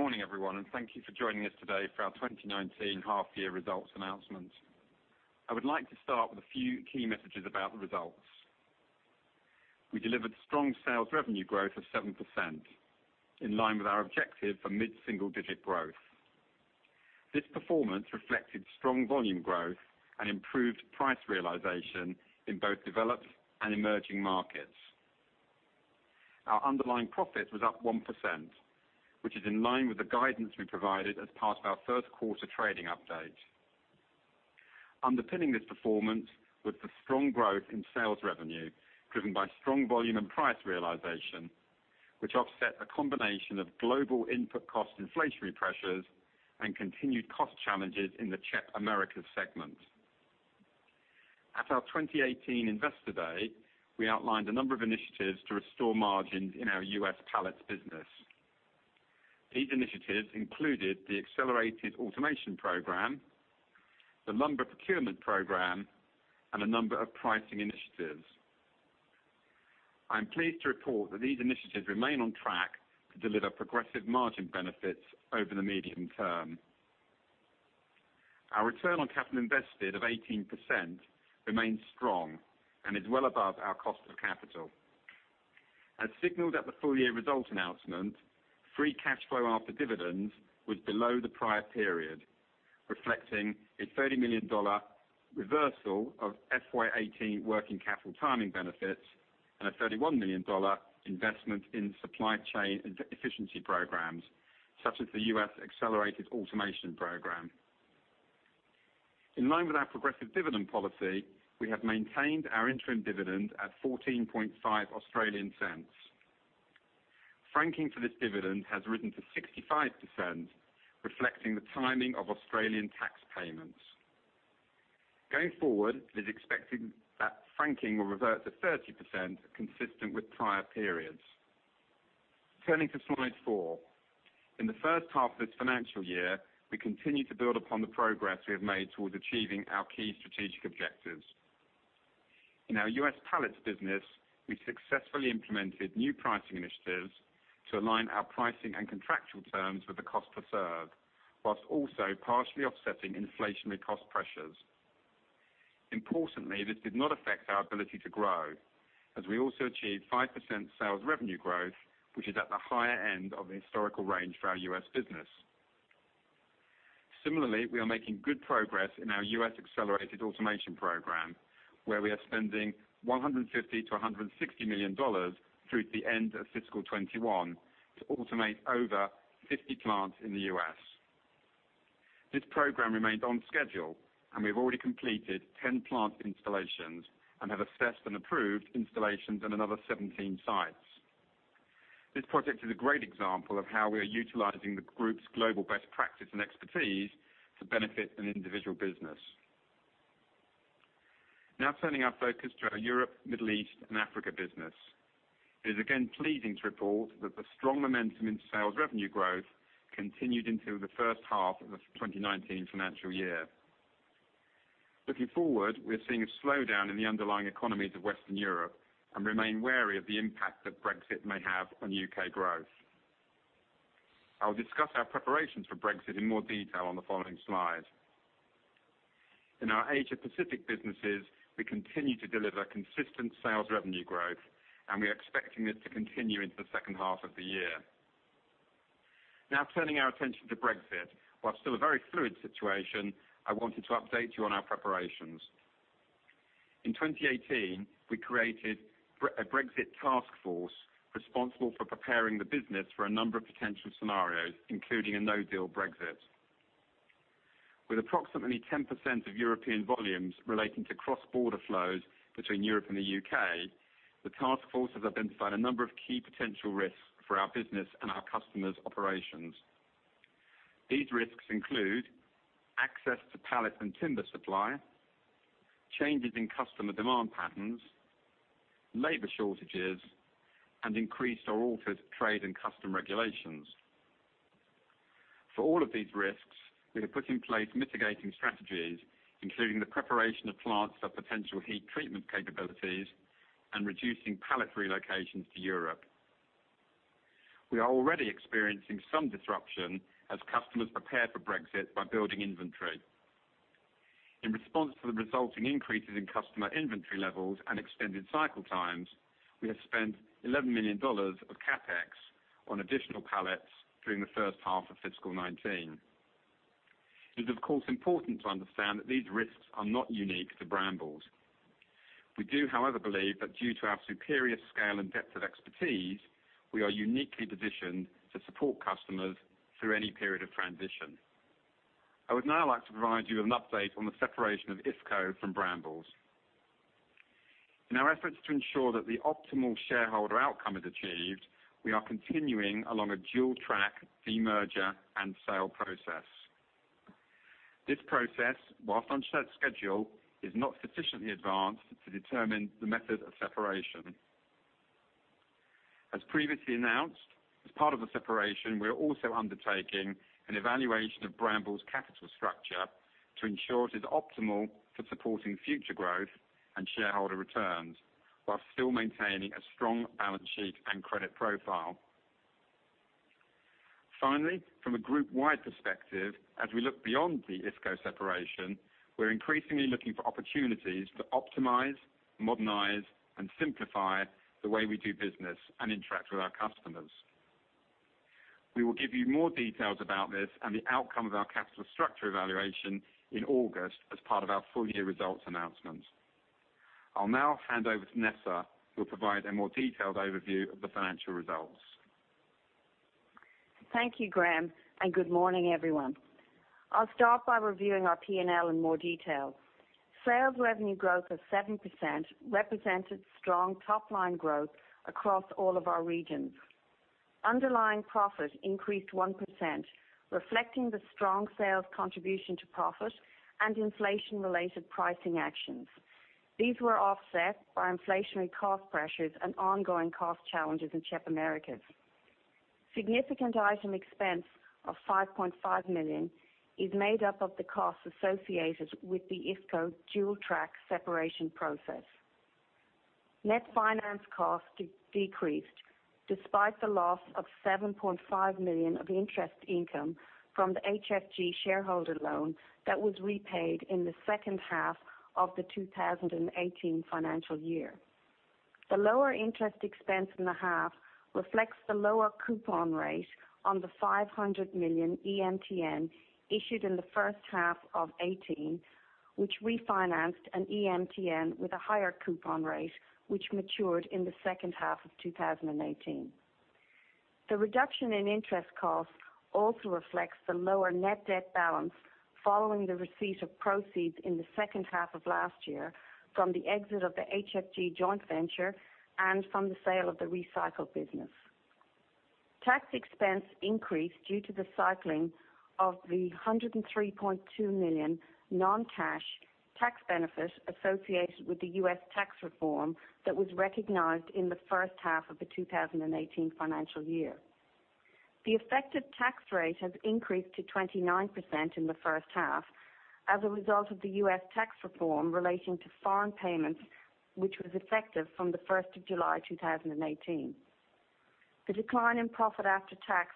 Good morning, everyone, and thank you for joining us today for our 2019 half year results announcement. I would like to start with a few key messages about the results. We delivered strong sales revenue growth of 7%, in line with our objective for mid-single digit growth. This performance reflected strong volume growth and improved price realization in both developed and emerging markets. Our underlying profit was up 1%, which is in line with the guidance we provided as part of our first quarter trading update. Underpinning this performance with the strong growth in sales revenue, driven by strong volume and price realization, which offset a combination of global input cost inflationary pressures and continued cost challenges in the CHEP Americas segment. At our 2018 Investor Day, we outlined a number of initiatives to restore margins in our U.S. pallets business. These initiatives included the Accelerated Automation Program, the Lumber Procurement Program, and a number of pricing initiatives. I am pleased to report that these initiatives remain on track to deliver progressive margin benefits over the medium term. Our return on capital invested of 18% remains strong and is well above our cost of capital. As signaled at the full year result announcement, free cash flow after dividends was below the prior period, reflecting an 30 million dollar reversal of FY 2018 working capital timing benefits and an 31 million dollar investment in supply chain efficiency programs, such as the U.S. Accelerated Automation Program. In line with our progressive dividend policy, we have maintained our interim dividend at 0.145. Franking for this dividend has risen to 65%, reflecting the timing of Australian tax payments. Going forward, it is expected that franking will revert to 30% consistent with prior periods. Turning to slide four. In the first half of this financial year, we continued to build upon the progress we have made towards achieving our key strategic objectives. In our U.S. pallets business, we successfully implemented new pricing initiatives to align our pricing and contractual terms with the cost to serve, whilst also partially offsetting inflationary cost pressures. Importantly, this did not affect our ability to grow, as we also achieved 5% sales revenue growth, which is at the higher end of the historical range for our U.S. business. Similarly, we are making good progress in our U.S. Accelerated Automation Program, where we are spending 150 million-160 million dollars through to the end of fiscal 2021 to automate over 50 plants in the U.S. This program remained on schedule, and we have already completed 10 plant installations and have assessed and approved installations in another 17 sites. This project is a great example of how we are utilizing the group's global best practice and expertise to benefit an individual business. Turning our focus to our Europe, Middle East, and Africa business. It is again pleasing to report that the strong momentum in sales revenue growth continued into the first half of the 2019 financial year. Looking forward, we are seeing a slowdown in the underlying economies of Western Europe and remain wary of the impact that Brexit may have on U.K. growth. I will discuss our preparations for Brexit in more detail on the following slide. In our Asia Pacific businesses, we continue to deliver consistent sales revenue growth, and we are expecting this to continue into the second half of the year. Turning our attention to Brexit. While still a very fluid situation, I wanted to update you on our preparations. In 2018, we created a Brexit task force responsible for preparing the business for a number of potential scenarios, including a no-deal Brexit. With approximately 10% of European volumes relating to cross-border flows between Europe and the U.K., the task force has identified a number of key potential risks for our business and our customers' operations. These risks include access to pallet and timber supply, changes in customer demand patterns, labor shortages, and increased or altered trade and custom regulations. For all of these risks, we have put in place mitigating strategies, including the preparation of plants for potential heat treatment capabilities and reducing pallet relocations to Europe. We are already experiencing some disruption as customers prepare for Brexit by building inventory. In response to the resulting increases in customer inventory levels and extended cycle times, we have spent 11 million dollars of CapEx on additional pallets during the first half of FY 2019. It is, of course, important to understand that these risks are not unique to Brambles. We do, however, believe that due to our superior scale and depth of expertise, we are uniquely positioned to support customers through any period of transition. I would now like to provide you an update on the separation of IFCO from Brambles. In our efforts to ensure that the optimal shareholder outcome is achieved, we are continuing along a dual track demerger and sale process. This process, whilst on set schedule, is not sufficiently advanced to determine the method of separation. As previously announced, as part of the separation, we are also undertaking an evaluation of Brambles' capital structure to ensure it is optimal for supporting future growth and shareholder returns while still maintaining a strong balance sheet and credit profile. Finally, from a group-wide perspective, as we look beyond the IFCO separation, we are increasingly looking for opportunities to optimize, modernize, and simplify the way we do business and interact with our customers. We will give you more details about this and the outcome of our capital structure evaluation in August as part of our full-year results announcement. I'll now hand over to Nessa, who will provide a more detailed overview of the financial results. Thank you, Graham, and good morning, everyone. I'll start by reviewing our P&L in more detail. Sales revenue growth of 7% represented strong top-line growth across all of our regions. Underlying profit increased 1%, reflecting the strong sales contribution to profit and inflation-related pricing actions. These were offset by inflationary cost pressures and ongoing cost challenges in CHEP Americas. Significant item expense of 5.5 million is made up of the costs associated with the IFCO dual-track separation process. Net finance costs decreased despite the loss of 7.5 million of interest income from the HFG shareholder loan that was repaid in the second half of the 2018 financial year. The lower interest expense in the half reflects the lower coupon rate on the 500 million EMTN issued in the first half of 2018, which refinanced an EMTN with a higher coupon rate, which matured in the second half of 2018. The reduction in interest costs also reflects the lower net debt balance following the receipt of proceeds in the second half of last year from the exit of the HFG joint venture and from the sale of the recycle business. Tax expense increased due to the cycling of the 103.2 million non-cash tax benefit associated with the U.S. tax reform that was recognized in the first half of the 2018 financial year. The effective tax rate has increased to 29% in the first half as a result of the U.S. tax reform relating to foreign payments, which was effective from the 1st of July 2018. The decline in profit after tax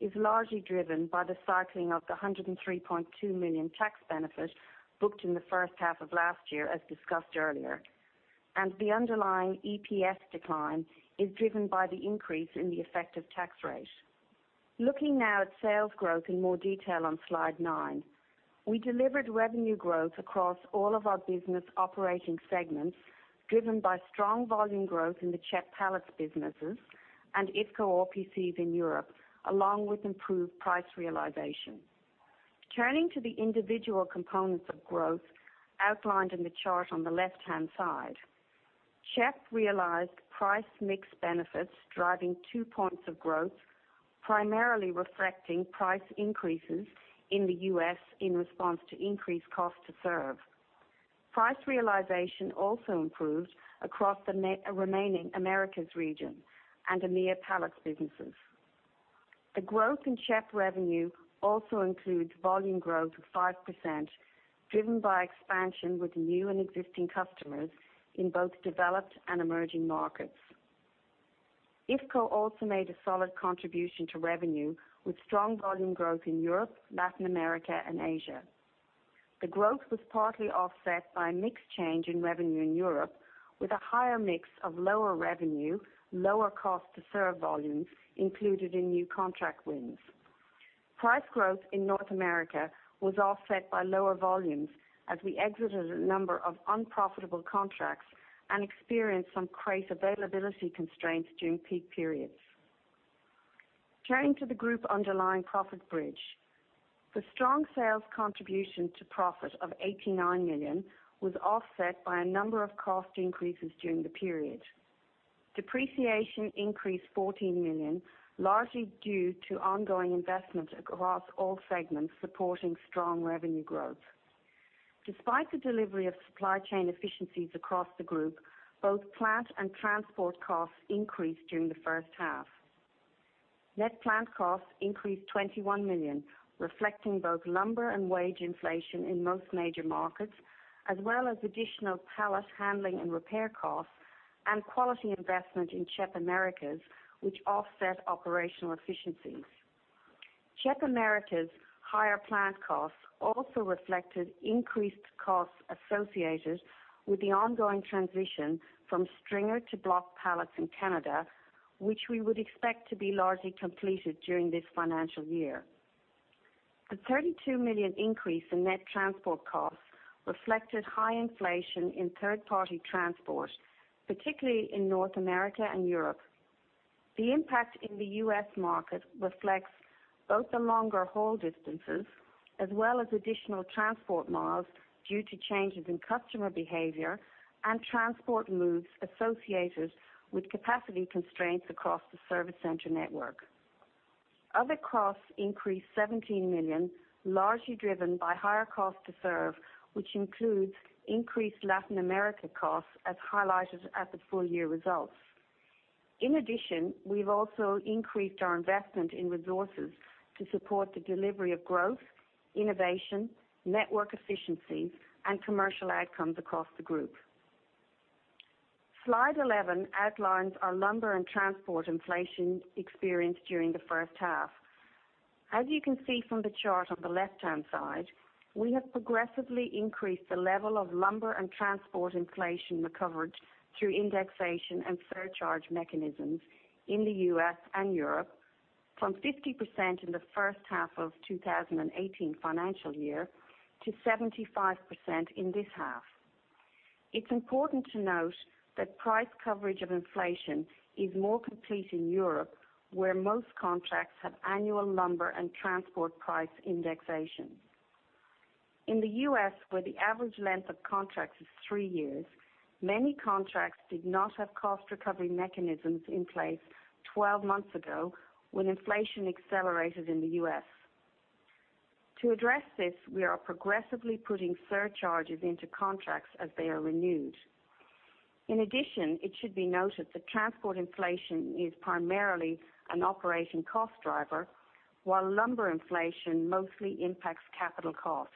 is largely driven by the cycling of the 103.2 million tax benefit booked in the first half of last year, as discussed earlier, and the underlying EPS decline is driven by the increase in the effective tax rate. Looking now at sales growth in more detail on slide nine. We delivered revenue growth across all of our business operating segments, driven by strong volume growth in the CHEP pallets businesses and IFCO RPCs in Europe, along with improved price realization. Turning to the individual components of growth outlined in the chart on the left-hand side. CHEP realized price mix benefits driving two points of growth, primarily reflecting price increases in the U.S. in response to increased cost to serve. Price realization also improved across the remaining Americas region and CHEP EMEA pallets businesses. The growth in CHEP revenue also includes volume growth of 5%, driven by expansion with new and existing customers in both developed and emerging markets. IFCO also made a solid contribution to revenue with strong volume growth in Europe, Latin America, and Asia. The growth was partly offset by a mix change in revenue in Europe with a higher mix of lower revenue, lower cost to serve volumes included in new contract wins. Price growth in North America was offset by lower volumes as we exited a number of unprofitable contracts and experienced some crate availability constraints during peak periods. Turning to the group underlying profit bridge. The strong sales contribution to profit of 89 million was offset by a number of cost increases during the period. Depreciation increased 14 million, largely due to ongoing investment across all segments supporting strong revenue growth. Despite the delivery of supply chain efficiencies across the group, both plant and transport costs increased during the first half. Net plant costs increased 21 million, reflecting both lumber and wage inflation in most major markets, as well as additional pallet handling and repair costs and quality investment in CHEP Americas, which offset operational efficiencies. CHEP Americas' higher plant costs also reflected increased costs associated with the ongoing transition from stringer to block pallets in Canada, which we would expect to be largely completed during this financial year. The 32 million increase in net transport costs reflected high inflation in third-party transport, particularly in North America and Europe. The impact in the U.S. market reflects both the longer haul distances as well as additional transport miles due to changes in customer behavior and transport moves associated with capacity constraints across the service center network. Other costs increased 17 million, largely driven by higher cost to serve, which includes increased Latin America costs as highlighted at the full-year results. In addition, we have also increased our investment in resources to support the delivery of growth, innovation, network efficiency, and commercial outcomes across the group. Slide 11 outlines our lumber and transport inflation experience during the first half. As you can see from the chart on the left-hand side, we have progressively increased the level of lumber and transport inflation recovery through indexation and surcharge mechanisms in the U.S. and Europe from 50% in the first half of 2018 financial year to 75% in this half. It is important to note that price coverage of inflation is more complete in Europe, where most contracts have annual lumber and transport price indexation. In the U.S., where the average length of contracts is three years, many contracts did not have cost recovery mechanisms in place 12 months ago when inflation accelerated in the U.S. To address this, we are progressively putting surcharges into contracts as they are renewed. In addition, it should be noted that transport inflation is primarily an operation cost driver, while lumber inflation mostly impacts capital costs.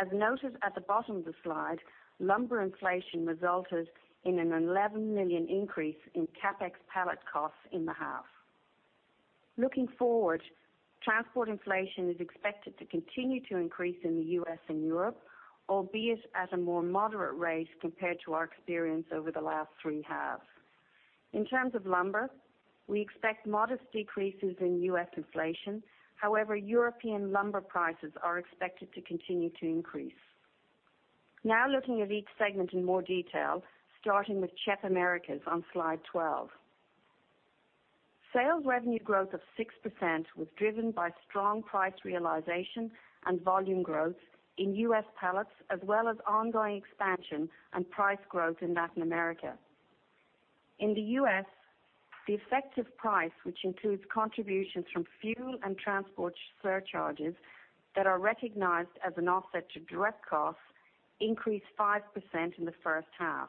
As noted at the bottom of the slide, lumber inflation resulted in an 11 million increase in CapEx pallet costs in the half. Looking forward, transport inflation is expected to continue to increase in the U.S. and Europe, albeit at a more moderate rate compared to our experience over the last three halves. In terms of lumber, we expect modest decreases in U.S. inflation. However, European lumber prices are expected to continue to increase. Now looking at each segment in more detail, starting with CHEP Americas on slide 12. Sales revenue growth of 6% was driven by strong price realization and volume growth in U.S. pallets, as well as ongoing expansion and price growth in Latin America. In the U.S., the effective price, which includes contributions from fuel and transport surcharges that are recognized as an offset to direct costs, increased 5% in the first half.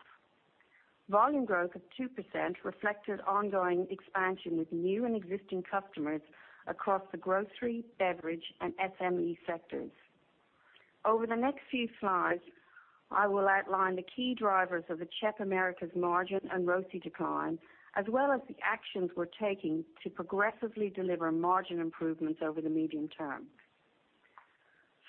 Volume growth of 2% reflected ongoing expansion with new and existing customers across the grocery, beverage, and SME sectors. Over the next few slides, I will outline the key drivers of the CHEP Americas margin and ROCE decline, as well as the actions we are taking to progressively deliver margin improvements over the medium term.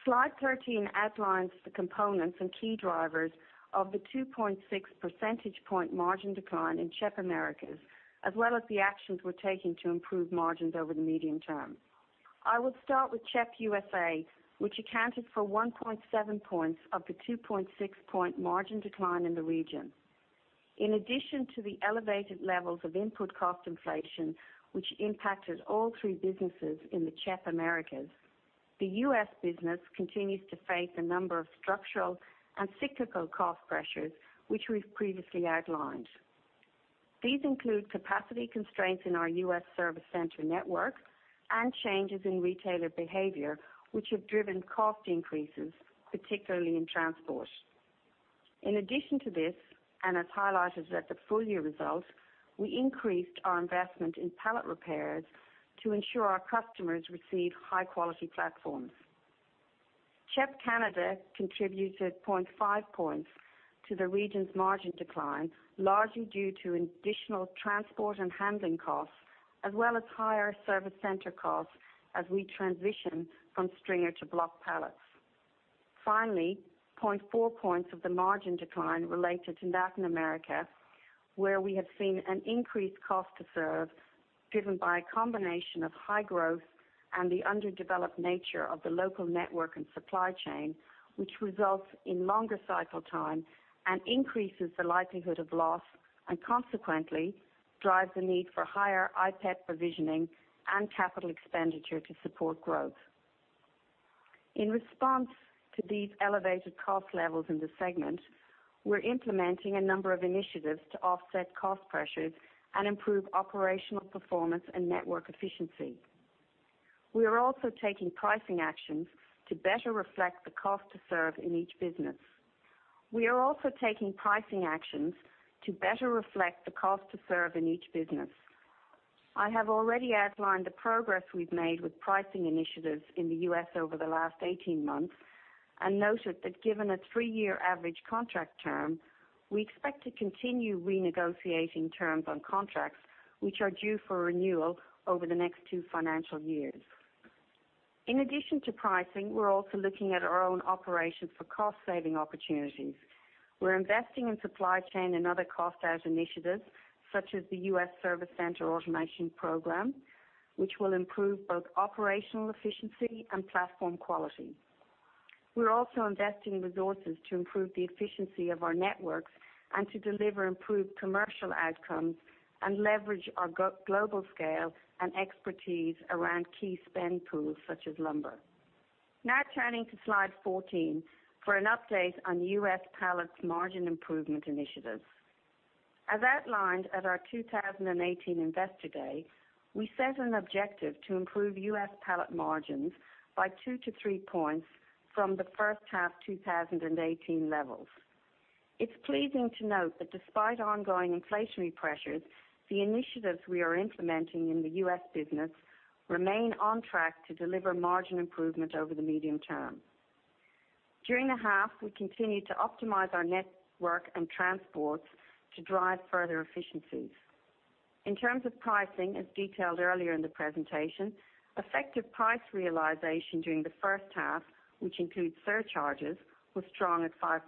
Slide 13 outlines the components and key drivers of the 2.6 percentage point margin decline in CHEP Americas, as well as the actions we are taking to improve margins over the medium term. I will start with CHEP USA, which accounted for 1.7 points of the 2.6 point margin decline in the region. In addition to the elevated levels of input cost inflation, which impacted all three businesses in the CHEP Americas, the U.S. business continues to face a number of structural and cyclical cost pressures, which we have previously outlined. These include capacity constraints in our U.S. service center network and changes in retailer behavior, which have driven cost increases, particularly in transport. In addition to this, and as highlighted at the full-year results, we increased our investment in pallet repairs to ensure our customers receive high-quality platforms. CHEP Canada contributed 0.5 points to the region's margin decline, largely due to additional transport and handling costs as well as higher service center costs as we transition from stringer to block pallets. 0.4 points of the margin decline related to Latin America, where we have seen an increased cost to serve driven by a combination of high growth and the underdeveloped nature of the local network and supply chain, which results in longer cycle time and increases the likelihood of loss, and consequently drives the need for higher IPEP provisioning and capital expenditure to support growth. In response to these elevated cost levels in the segment, we're implementing a number of initiatives to offset cost pressures and improve operational performance and network efficiency. We are also taking pricing actions to better reflect the cost to serve in each business. We are also taking pricing actions to better reflect the cost to serve in each business. I have already outlined the progress we've made with pricing initiatives in the U.S. over the last 18 months and noted that given a three-year average contract term, we expect to continue renegotiating terms on contracts which are due for renewal over the next two financial years. In addition to pricing, we're also looking at our own operations for cost-saving opportunities. We're investing in supply chain and other cost-out initiatives, such as the U.S. Service Center Automation program, which will improve both operational efficiency and platform quality. We're also investing resources to improve the efficiency of our networks and to deliver improved commercial outcomes and leverage our global scale and expertise around key spend pools such as lumber. Turning to slide 14 for an update on U.S. Pallets margin improvement initiatives. As outlined at our 2018 Investor Day, we set an objective to improve U.S. pallet margins by two to three points from the first half 2018 levels. It's pleasing to note that despite ongoing inflationary pressures, the initiatives we are implementing in the U.S. business remain on track to deliver margin improvement over the medium term. During the half, we continued to optimize our network and transports to drive further efficiencies. In terms of pricing, as detailed earlier in the presentation, effective price realization during the first half, which includes surcharges, was strong at 5%.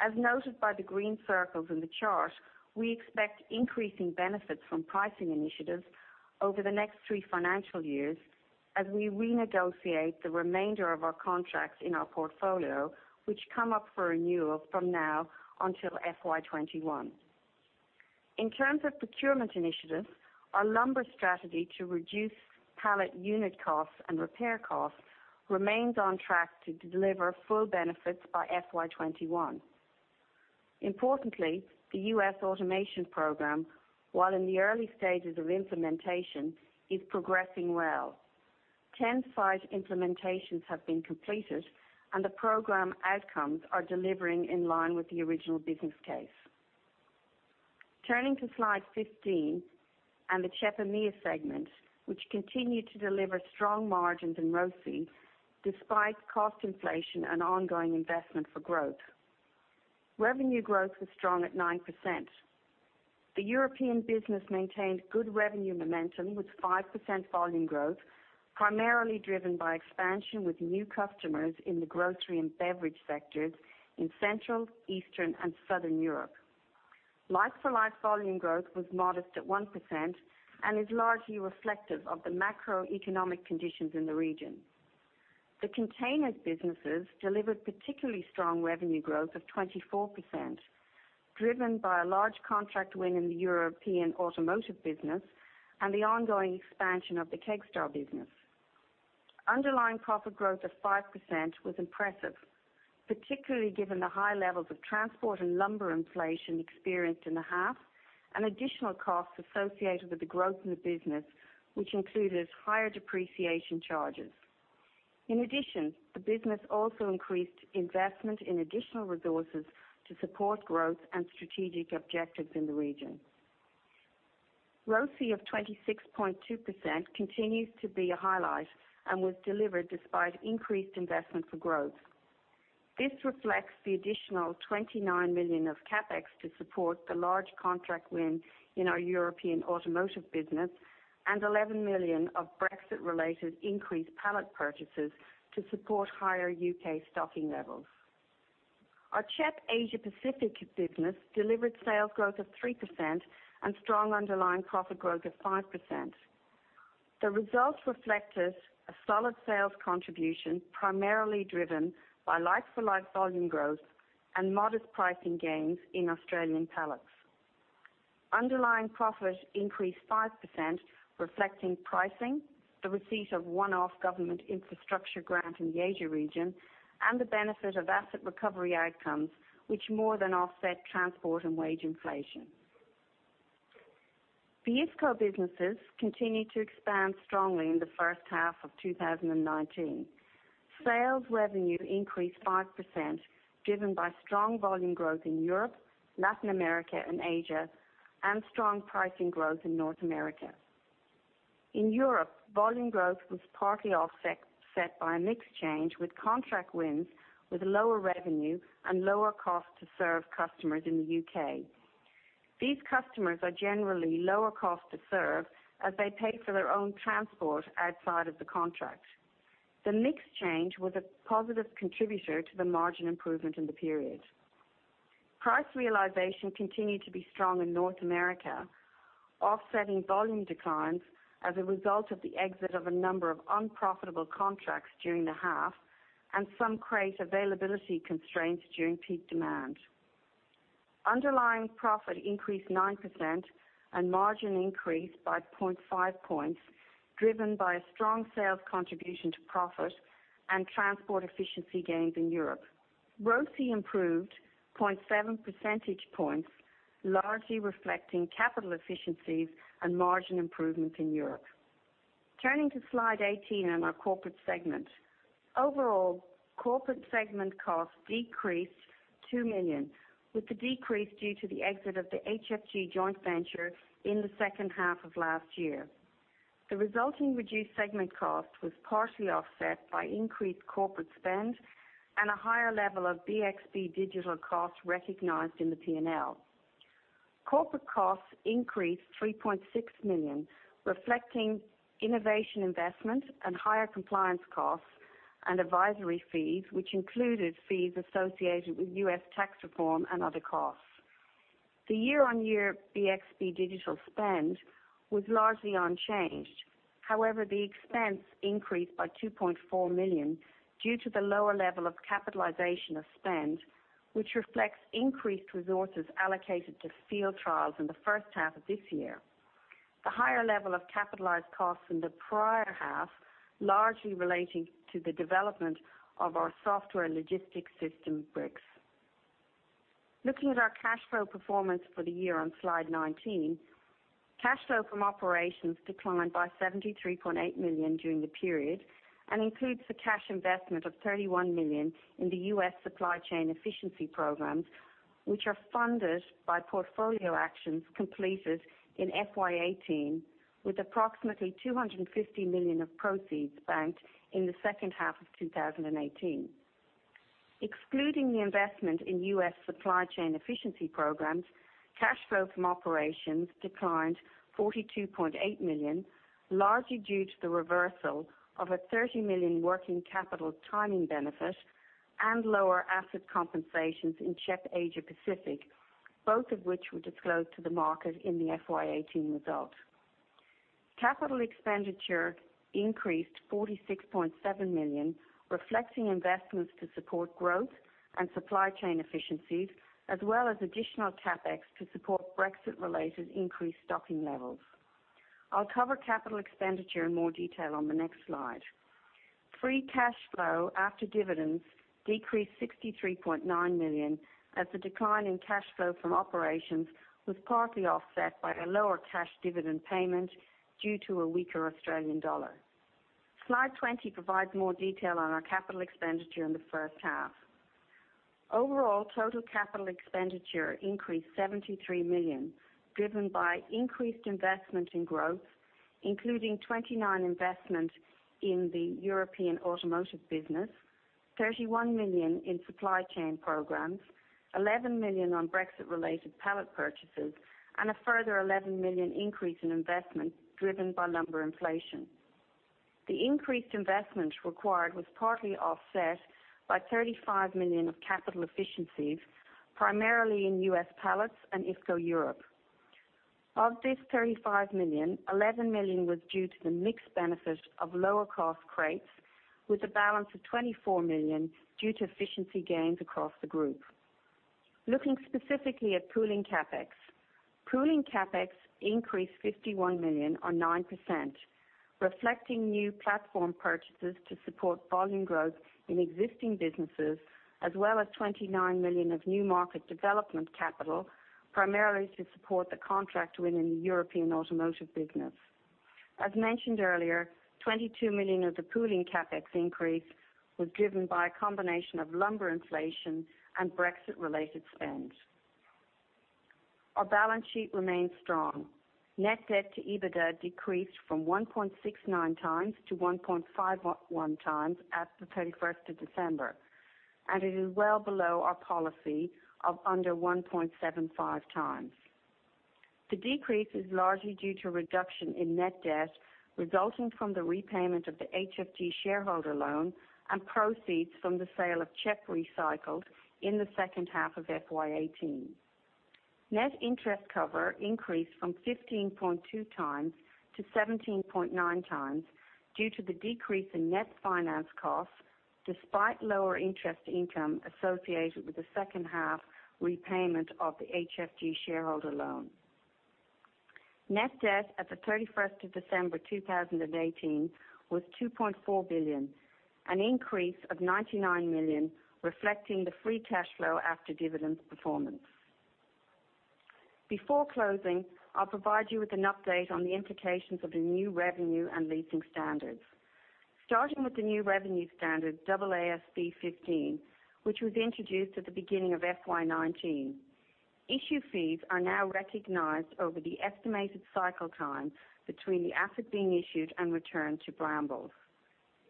As noted by the green circles in the chart, we expect increasing benefits from pricing initiatives over the next three financial years as we renegotiate the remainder of our contracts in our portfolio, which come up for renewal from now until FY 2021. In terms of procurement initiatives, our lumber strategy to reduce pallet unit costs and repair costs remains on track to deliver full benefits by FY 2021. The U.S. Automation program, while in the early stages of implementation, is progressing well. 10 site implementations have been completed, and the program outcomes are delivering in line with the original business case. Turning to slide 15 and the CHEP EMEA segment, which continued to deliver strong margins and ROCE despite cost inflation and ongoing investment for growth. Revenue growth was strong at 9%. The European business maintained good revenue momentum with 5% volume growth, primarily driven by expansion with new customers in the grocery and beverage sectors in Central, Eastern, and Southern Europe. Like for like volume growth was modest at 1% and is largely reflective of the macroeconomic conditions in the region. The containers businesses delivered particularly strong revenue growth of 24%, driven by a large contract win in the European automotive business and the ongoing expansion of the Kegstar business. Underlying profit growth of 5% was impressive, particularly given the high levels of transport and lumber inflation experienced in the half and additional costs associated with the growth in the business, which included higher depreciation charges. In addition, the business also increased investment in additional resources to support growth and strategic objectives in the region. ROCE of 26.2% continues to be a highlight and was delivered despite increased investment for growth. This reflects the additional 29 million of CapEx to support the large contract win in our European automotive business and 11 million of Brexit related increased pallet purchases to support higher U.K. stocking levels. Our CHEP Asia Pacific business delivered sales growth of 3% and strong underlying profit growth of 5%. The results reflected a solid sales contribution, primarily driven by like for like volume growth and modest pricing gains in Australian pallets. Underlying profit increased 5%, reflecting pricing, the receipt of one-off government infrastructure grant in the Asia region, and the benefit of asset recovery outcomes, which more than offset transport and wage inflation. The IFCO businesses continued to expand strongly in the first half of 2019. Sales revenue increased 5%, driven by strong volume growth in Europe, Latin America, and Asia, and strong pricing growth in North America. In Europe, volume growth was partly offset by a mix change with contract wins with lower revenue and lower cost to serve customers in the U.K. These customers are generally lower cost to serve as they pay for their own transport outside of the contract. The mix change was a positive contributor to the margin improvement in the period. Price realization continued to be strong in North America, offsetting volume declines as a result of the exit of a number of unprofitable contracts during the half and some crate availability constraints during peak demand. Underlying profit increased 9% and margin increased by 0.5 points, driven by a strong sales contribution to profit and transport efficiency gains in Europe. ROCE improved 0.7 percentage points, largely reflecting capital efficiencies and margin improvement in Europe. Turning to slide 18 and our corporate segment. Overall, corporate segment costs decreased 2 million, with the decrease due to the exit of the HFG joint venture in the second half of last year. The resulting reduced segment cost was partially offset by increased corporate spend and a higher level of BXB Digital costs recognized in the P&L. Corporate costs increased 3.6 million, reflecting innovation investment and higher compliance costs and advisory fees, which included fees associated with U.S. tax reform and other costs. The year on year BXB Digital spend was largely unchanged. However, the expense increased by 2.4 million due to the lower level of capitalization of spend, which reflects increased resources allocated to field trials in the first half of this year. The higher level of capitalized costs in the prior half, largely relating to the development of our software logistics system, BRICS. Looking at our cash flow performance for the year on slide 19. Cash flow from operations declined by 73.8 million during the period and includes the cash investment of 31 million in the U.S. supply chain efficiency programs, which are funded by portfolio actions completed in FY 2018, with approximately 250 million of proceeds banked in the second half of 2018. Excluding the investment in U.S. supply chain efficiency programs, cash flow from operations declined 42.8 million, largely due to the reversal of a 30 million working capital timing benefit and lower asset compensations in CHEP Asia Pacific, both of which were disclosed to the market in the FY 2018 result. Capital expenditure increased 46.7 million, reflecting investments to support growth and supply chain efficiencies, as well as additional CapEx to support Brexit-related increased stocking levels. I'll cover capital expenditure in more detail on the next slide. Free cash flow after dividends decreased 63.9 million, as the decline in cash flow from operations was partly offset by a lower cash dividend payment due to a weaker Australian dollar. Slide 20 provides more detail on our capital expenditure in the first half. Overall, total capital expenditure increased 73 million, driven by increased investment in growth, including 29 million investment in the European automotive business, 31 million in supply chain programs, 11 million on Brexit-related pallet purchases, and a further 11 million increase in investment driven by lumber inflation. The increased investment required was partly offset by 35 million of capital efficiencies, primarily in U.S. pallets and IFCO Europe. Of this 35 million, 11 million was due to the mixed benefit of lower cost crates with a balance of 24 million due to efficiency gains across the group. Looking specifically at pooling CapEx. Pooling CapEx increased 51 million on 9%, reflecting new platform purchases to support volume growth in existing businesses, as well as 29 million of new market development capital, primarily to support the contract win in the European automotive business. As mentioned earlier, 22 million of the pooling CapEx increase was driven by a combination of lumber inflation and Brexit-related spends. Our balance sheet remains strong. Net debt to EBITDA decreased from 1.69 times to 1.51 times at the 31st of December, and it is well below our policy of under 1.75 times. The decrease is largely due to reduction in net debt resulting from the repayment of the HFG shareholder loan and proceeds from the sale of CHEP Recycled in the second half of FY 2018. Net interest cover increased from 15.2 times to 17.9 times due to the decrease in net finance costs, despite lower interest income associated with the second half repayment of the HFG shareholder loan. Net debt at the 31st of December 2018 was 2.4 billion, an increase of 99 million, reflecting the free cash flow after dividends performance. Before closing, I'll provide you with an update on the implications of the new revenue and leasing standards. Starting with the new revenue standard, AASB 15, which was introduced at the beginning of FY 2019. Issue fees are now recognized over the estimated cycle time between the asset being issued and returned to Brambles.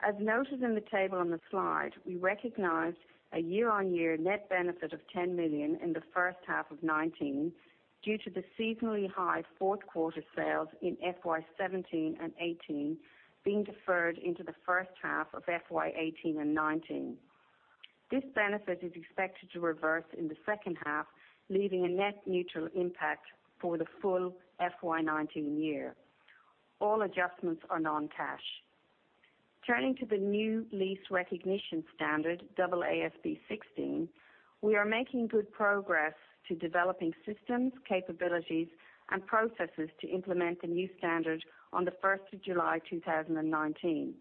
As noted in the table on the slide, we recognized a year-on-year net benefit of 10 million in the first half of 2019 due to the seasonally high fourth quarter sales in FY 2017 and 2018 being deferred into the first half of FY 2018 and 2019. This benefit is expected to reverse in the second half, leaving a net neutral impact for the full FY 2019 year. All adjustments are non-cash. Turning to the new lease recognition standard, AASB 16, we are making good progress to developing systems, capabilities, and processes to implement the new standard on the 1st of July 2019.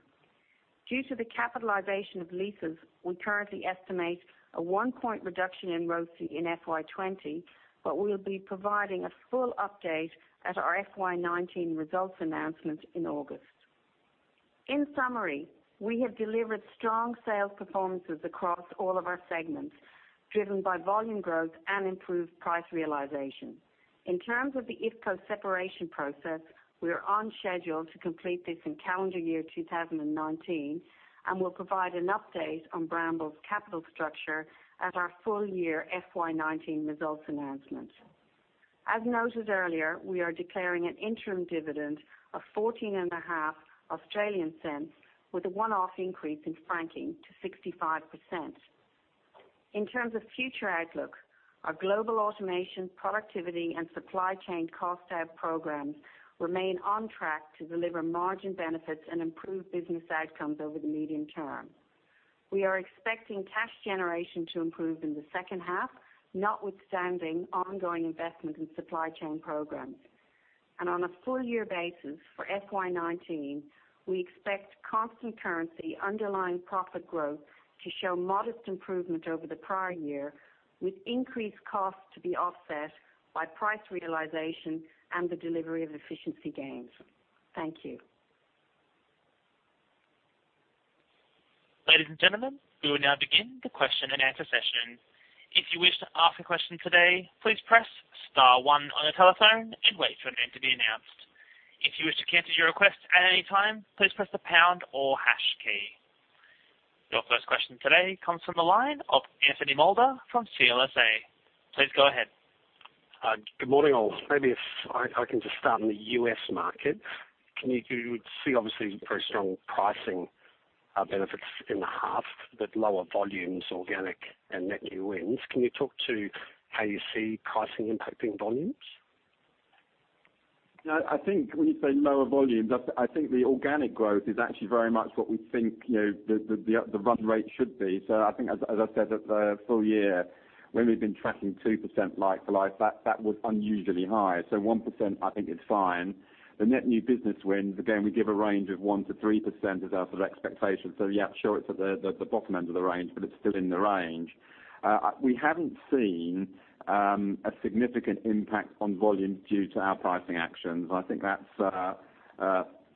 Due to the capitalization of leases, we currently estimate a one-point reduction in ROCE in FY 2020, but we'll be providing a full update at our FY 2019 results announcement in August. In summary, we have delivered strong sales performances across all of our segments, driven by volume growth and improved price realization. In terms of the IFCO separation process, we are on schedule to complete this in calendar year 2019 and will provide an update on Brambles' capital structure at our full year FY 2019 results announcement. As noted earlier, we are declaring an interim dividend of 0.145 with a one-off increase in franking to 65%. In terms of future outlook, our global automation, productivity, and supply chain cost out programs remain on track to deliver margin benefits and improve business outcomes over the medium term. We are expecting cash generation to improve in the second half, notwithstanding ongoing investment in supply chain programs. On a full year basis for FY 2019, we expect constant currency underlying profit growth to show modest improvement over the prior year, with increased costs to be offset by price realization and the delivery of efficiency gains. Thank you. Ladies and gentlemen, we will now begin the question and answer session. If you wish to ask a question today, please press star one on your telephone and wait for your name to be announced. If you wish to cancel your request at any time, please press the pound or hash key. Your first question today comes from the line of Anthony Moulder from CLSA. Please go ahead. Good morning all. Maybe if I can just start on the U.S. market. You would see obviously very strong pricing benefits in the half with lower volumes, organic and net new wins. Can you talk to how you see pricing impacting volumes? I think when you say lower volumes, I think the organic growth is actually very much what we think the run rate should be. I think as I said at the full year, when we've been tracking 2% like for like that was unusually high. 1% I think is fine. The net new business wins, again, we give a range of 1%-3% as our sort of expectation. Yeah, sure it's at the bottom end of the range, but it's still in the range. We haven't seen a significant impact on volume due to our pricing actions. I think that's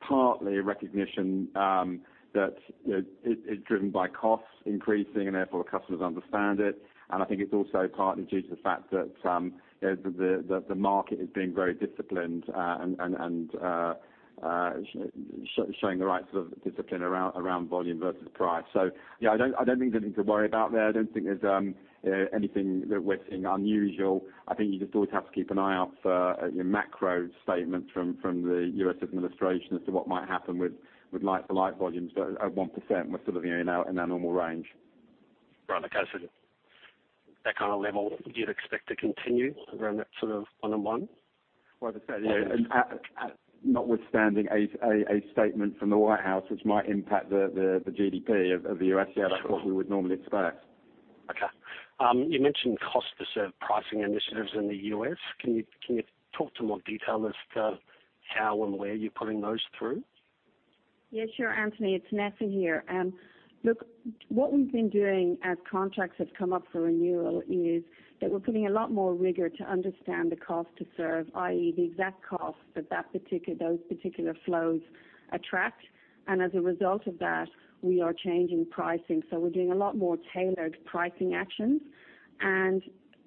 partly a recognition that it is driven by costs increasing and therefore the customers understand it. I think it's also partly due to the fact that the market is being very disciplined and showing the right sort of discipline around volume versus price. Yeah, I don't think there's anything to worry about there. I don't think there's anything that we're seeing unusual. I think you just always have to keep an eye out for your macro statement from the U.S. administration as to what might happen with like for like volumes. At 1%, we're sort of in our normal range. Right. Okay. That kind of level, do you expect to continue around that sort of one on one? Notwithstanding a statement from the White House which might impact the GDP of the U.S. That's what we would normally expect. You mentioned cost to serve pricing initiatives in the U.S. Can you talk to more detail as to how and where you're putting those through? Yeah, sure, Anthony, it's Nessa here. What we've been doing as contracts have come up for renewal is that we're putting a lot more rigor to understand the cost to serve, i.e., the exact cost that those particular flows attract. As a result of that, we are changing pricing. We're doing a lot more tailored pricing actions.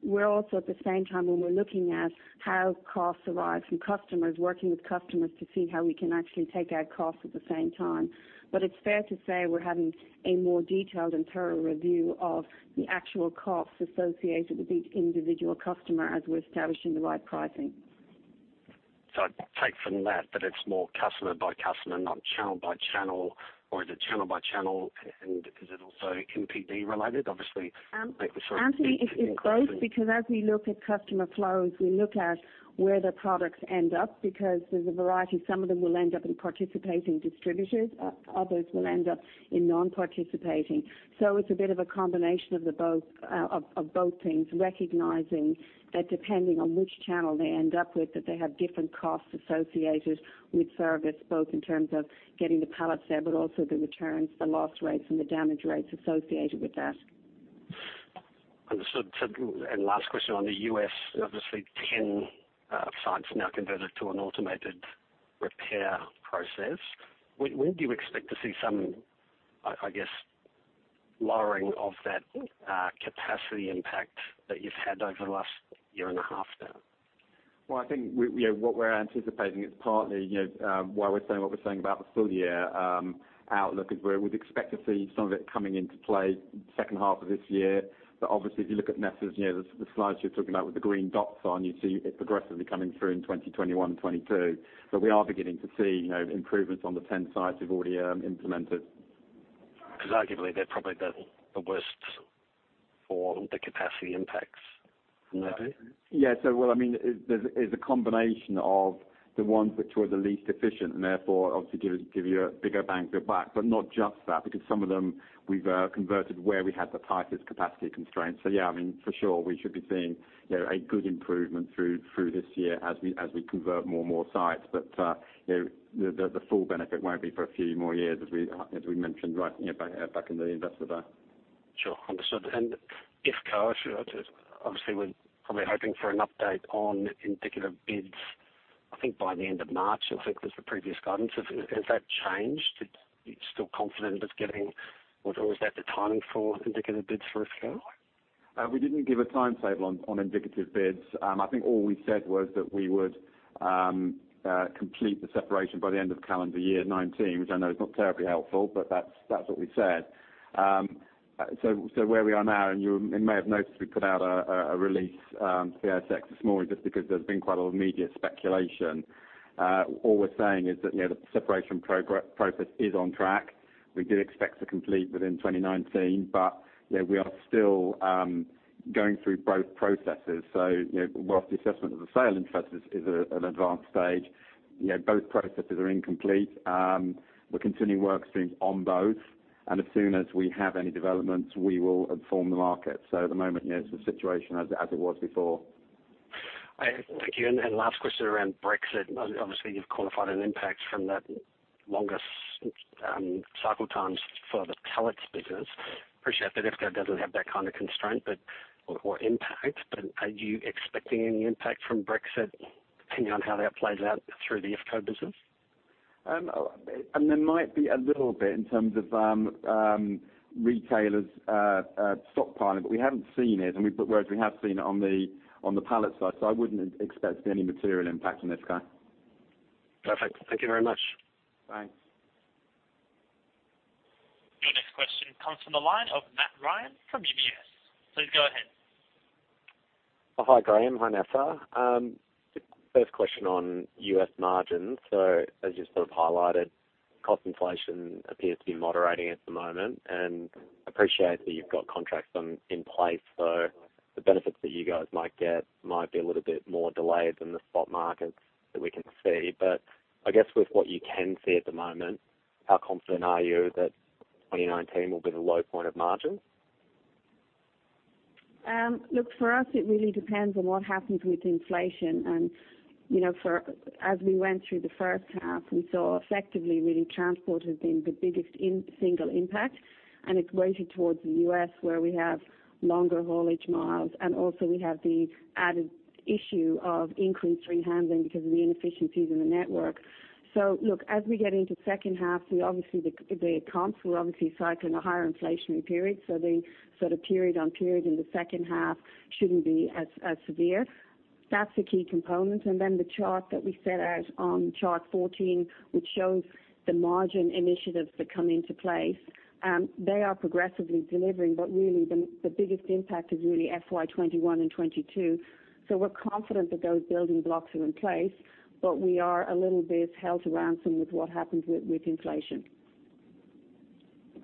We're also at the same time when we're looking at how costs arise from customers, working with customers to see how we can actually take out costs at the same time. It's fair to say we're having a more detailed and thorough review of the actual costs associated with each individual customer as we're establishing the right pricing. I take from that it's more customer by customer, not channel by channel, or is it channel by channel and is it also NPD related? Anthony, it's both because as we look at customer flows, we look at where the products end up because there's a variety. Some of them will end up in participating distributors, others will end up in non-participating. It's a bit of a combination of both things, recognizing that depending on which channel they end up with, that they have different costs associated with service, both in terms of getting the pallets there, but also the returns, the loss rates, and the damage rates associated with that. Understood. Last question on the U.S., obviously 10 sites now converted to an automated repair process. When do you expect to see some, I guess, lowering of that capacity impact that you've had over the last year and a half now? Well, I think what we're anticipating is partly why we're saying what we're saying about the full year outlook is where we'd expect to see some of it coming into play second half of this year. Obviously, if you look at Nessa's, the slides you're talking about with the green dots on, you see it progressively coming through in 2021, 2022. We are beginning to see improvements on the 10 sites we've already implemented. Arguably they're probably the worst for the capacity impacts. Well, there's a combination of the ones which were the least efficient and therefore obviously give you a bigger bang for your buck. Not just that, because some of them we've converted where we had the tightest capacity constraints. Yeah, for sure we should be seeing a good improvement through this year as we convert more and more sites. The full benefit won't be for a few more years as we mentioned back in the investor day. Sure. Understood. IFCO, obviously we're probably hoping for an update on indicative bids, I think by the end of March, I think was the previous guidance. Has that changed? Are you still confident it's getting or is that the timing for indicative bids for a scale? We didn't give a timetable on indicative bids. I think all we said was that we would complete the separation by the end of calendar year 2019, which I know is not terribly helpful, but that's what we said. Where we are now, and you may have noticed we put out a release to the ASX this morning just because there's been quite a lot of media speculation. All we're saying is that the separation process is on track. We do expect to complete within 2019. We are still going through both processes. Whilst the assessment of the sale interest is at an advanced stage, both processes are incomplete. We're continuing work streams on both, and as soon as we have any developments, we will inform the market. At the moment, it's the situation as it was before. Thank you. Last question around Brexit. Obviously you've qualified an impact from that longest cycle times for the pallets business. Appreciate that IFCO doesn't have that kind of constraint or impact. Are you expecting any impact from Brexit? Depending on how that plays out through the IFCO business? There might be a little bit in terms of retailers stockpiling, but we haven't seen it, and whereas we have seen it on the pallet side, so I wouldn't expect any material impact on IFCO. Perfect. Thank you very much. Thanks. Your next question comes from the line of Matthew Ryan from UBS. Please go ahead. Hi, Graham. Hi, Nessa. First question on U.S. margins. As you sort of highlighted, cost inflation appears to be moderating at the moment, and appreciate that you've got contracts in place. So the benefits that you guys might get might be a little bit more delayed than the spot markets that we can see. But I guess with what you can see at the moment, how confident are you that 2019 will be the low point of margins? Look, for us, it really depends on what happens with inflation. As we went through the first half, we saw effectively really transport has been the biggest single impact, and it's weighted towards the U.S. where we have longer haulage miles, and also we have the added issue of increased rehandling because of the inefficiencies in the network. Look, as we get into second half, obviously the comps were cycling a higher inflationary period, so the period on period in the second half shouldn't be as severe. That's a key component. Then the chart that we set out on chart 14, which shows the margin initiatives that come into play. They are progressively delivering, but the biggest impact is really FY 2021 and FY 2022. We're confident that those building blocks are in place, but we are a little bit held to ransom with what happens with inflation.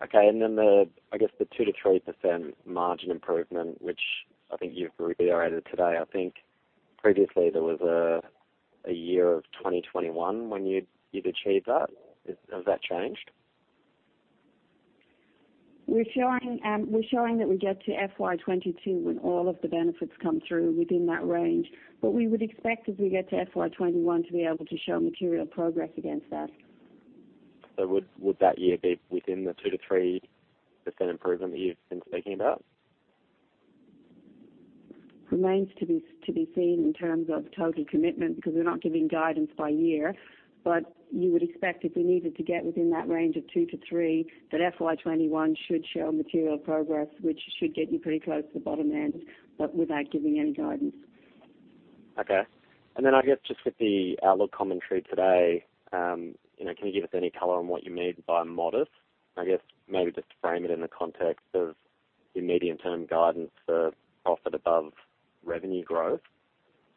Okay. Then the, I guess the 2%-3% margin improvement, which I think you've reiterated today, I think previously there was a year of 2021 when you'd achieve that. Has that changed? We're showing that we get to FY 2022 when all of the benefits come through within that range. We would expect as we get to FY 2021 to be able to show material progress against that. Would that year be within the 2%-3% improvement that you've been speaking about? Remains to be seen in terms of total commitment because we're not giving guidance by year. You would expect if we needed to get within that range of 2 to 3, that FY 2021 should show material progress, which should get you pretty close to the bottom end, but without giving any guidance. Okay. Then I guess just with the outlook commentary today, can you give us any color on what you mean by modest? I guess maybe just to frame it in the context of your medium-term guidance for profit above revenue growth.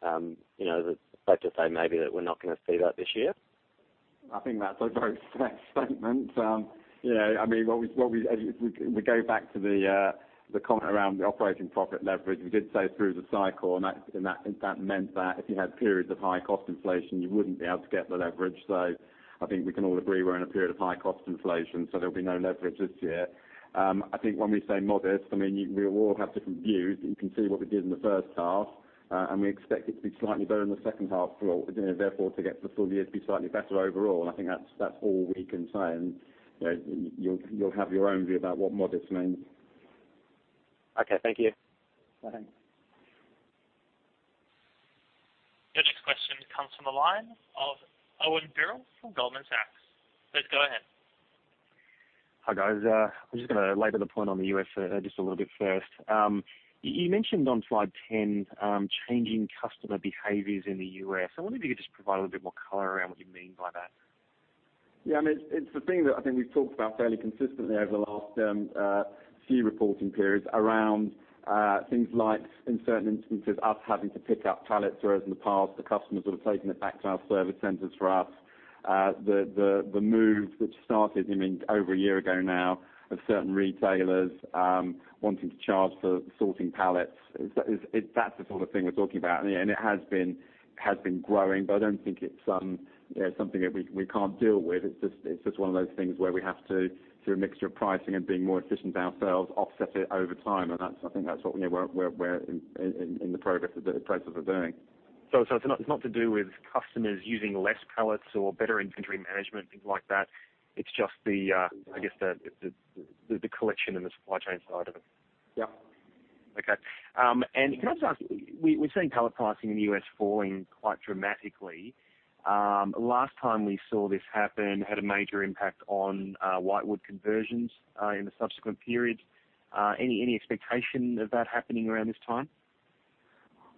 Is that to say maybe that we're not going to see that this year? I think that's a very safe statement. If we go back to the comment around the operating profit leverage, we did say through the cycle and that meant that if you had periods of high cost inflation, you wouldn't be able to get the leverage. I think we can all agree we're in a period of high cost inflation, so there'll be no leverage this year. I think when we say modest, we all have different views, but you can see what we did in the first half, and we expect it to be slightly better in the second half. Therefore, to get the full year to be slightly better overall. I think that's all we can say, and you'll have your own view about what modest means. Okay. Thank you. Thanks. Your next question comes from the line of Owen Birrell from Goldman Sachs. Please go ahead. Hi, guys. I'm just going to labor the point on the U.S. just a little bit first. You mentioned on slide 10, changing customer behaviors in the U.S. I wonder if you could just provide a little bit more color around what you mean by that. Yeah. It's the thing that I think we've talked about fairly consistently over the last few reporting periods around things like, in certain instances, us having to pick up pallets, whereas in the past, the customer's would have taken it back to our service centers for us. The move which started over a year ago now of certain retailers wanting to charge for sorting pallets. That's the sort of thing we're talking about. It has been growing, but I don't think it's something that we can't deal with. It's just one of those things where we have to, through a mixture of pricing and being more efficient ourselves, offset it over time. I think that's what we're in the process of doing. It's not to do with customers using less pallets or better inventory management, things like that. It's just the- No I guess the collection and the supply chain side of it. Yep. Okay. Can I just ask, we've seen pallet pricing in the U.S. falling quite dramatically. Last time we saw this happen had a major impact on whitewood conversions in the subsequent period. Any expectation of that happening around this time?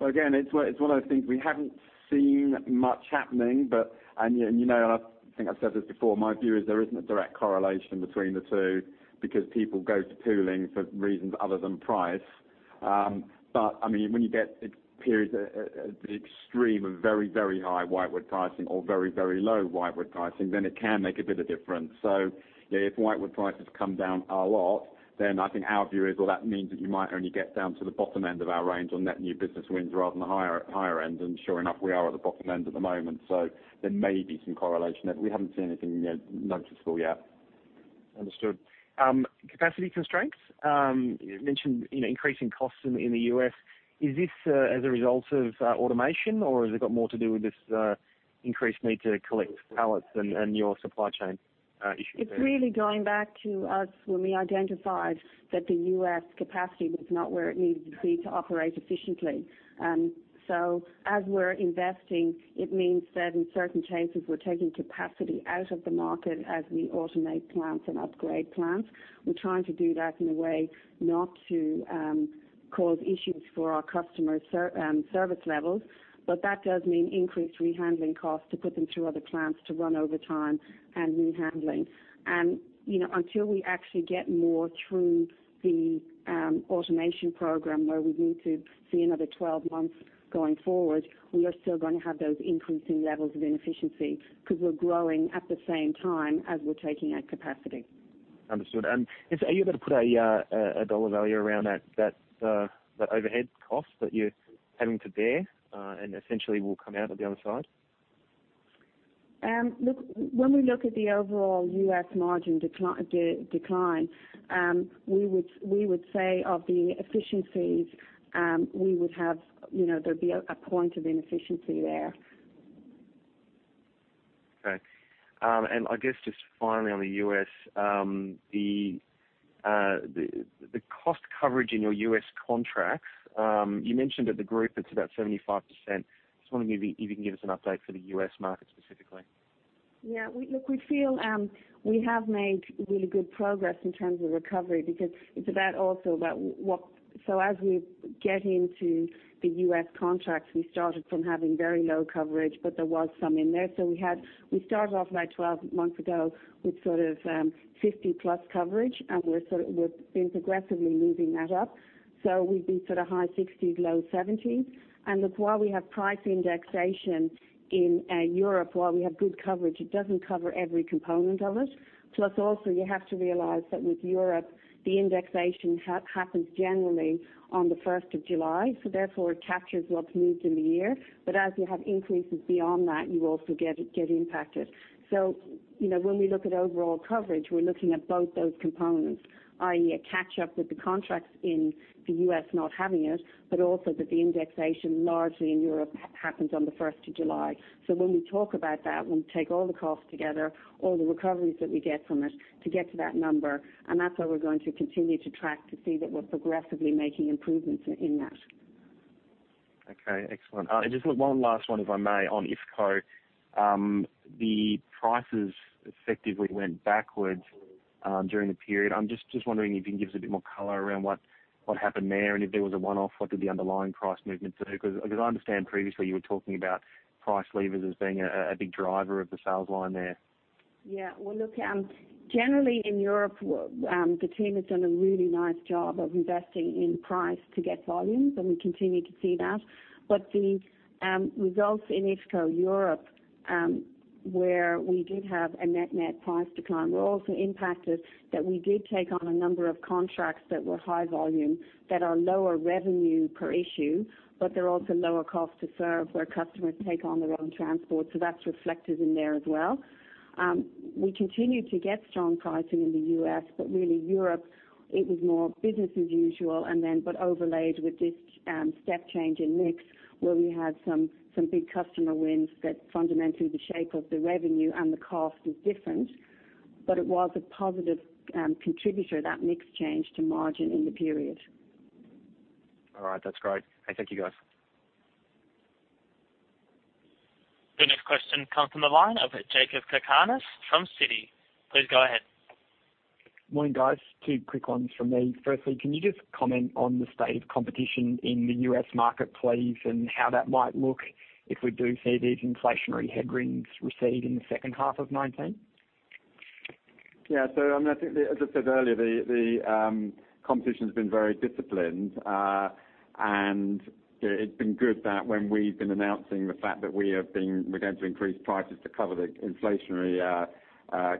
Well, again, it's one of those things we haven't seen much happening. You know, I think I've said this before, my view is there isn't a direct correlation between the two because people go to pooling for reasons other than price. When you get periods at the extreme of very, very high whitewood pricing or very, very low whitewood pricing, then it can make a bit of difference. If whitewood prices come down a lot, then I think our view is, well, that means that you might only get down to the bottom end of our range on net new business wins rather than the higher end. Sure enough, we are at the bottom end at the moment. There may be some correlation. We haven't seen anything noticeable yet. Understood. Capacity constraints. You mentioned increasing costs in the U.S. Is this as a result of automation or has it got more to do with this increased need to collect pallets and your supply chain issues there. It's really going back to us when we identified that the U.S. capacity was not where it needed to be to operate efficiently. As we're investing, it means that in certain cases, we're taking capacity out of the market as we automate plants and upgrade plants. We're trying to do that in a way not to cause issues for our customers' service levels. That does mean increased rehandling costs to put them through other plants to run overtime and rehandling. Until we actually get more through the automation program where we need to see another 12 months going forward, we are still going to have those increasing levels of inefficiency because we're growing at the same time as we're taking out capacity. Understood. Are you able to put a dollar value around that overhead cost that you're having to bear, and essentially will come out on the other side? When we look at the overall U.S. margin decline, we would say of the efficiencies, there'd be a point of inefficiency there. Okay. I guess just finally on the U.S., the cost coverage in your U.S. contracts, you mentioned at the group it's about 75%. Just wondering if you can give us an update for the U.S. market specifically. Yeah. Look, we feel we have made really good progress in terms of recovery because it's about also about what. As we get into the U.S. contracts, we started from having very low coverage, but there was some in there. We started off about 12 months ago with sort of 50-plus coverage, and we've been progressively moving that up. We'd be sort of high 60s, low 70s. Look, while we have price indexation in Europe, while we have good coverage, it doesn't cover every component of it. Plus also, you have to realize that with Europe, the indexation happens generally on the 1st of July, so therefore it captures what's moved in the year. But as you have increases beyond that, you also get impacted. When we look at overall coverage, we're looking at both those components, i.e., a catch up with the contracts in the U.S. not having it, but also that the indexation largely in Europe happens on the 1st of July. When we talk about that, when we take all the costs together, all the recoveries that we get from it to get to that number, that's how we're going to continue to track to see that we're progressively making improvements in that. Okay, excellent. Just one last one, if I may, on IFCO. The prices effectively went backwards during the period. I'm just wondering if you can give us a bit more color around what happened there, and if there was a one-off, what did the underlying price movements do? I understand previously you were talking about price levers as being a big driver of the sales line there. Yeah. Well, look, generally in Europe, the team has done a really nice job of investing in price to get volumes, and we continue to see that. The results in IFCO Europe where we did have a net-net price decline were also impacted that we did take on a number of contracts that were high volume, that are lower revenue per issue, but they're also lower cost to serve where customers take on their own transport. That's reflected in there as well. We continue to get strong pricing in the U.S., really Europe, it was more business as usual overlaid with this step change in mix where we had some big customer wins that fundamentally the shape of the revenue and the cost is different. It was a positive contributor, that mix change to margin in the period. All right. That's great. Thank you, guys. The next question comes from the line of Jakob Cakarnis from Citi. Please go ahead. Morning, guys. Two quick ones from me. Firstly, can you just comment on the state of competition in the U.S. market, please, and how that might look if we do see these inflationary headwinds recede in the second half of 2019? Yeah. I think as I said earlier, the competition's been very disciplined. It's been good that when we've been announcing the fact that we're going to increase prices to cover the inflationary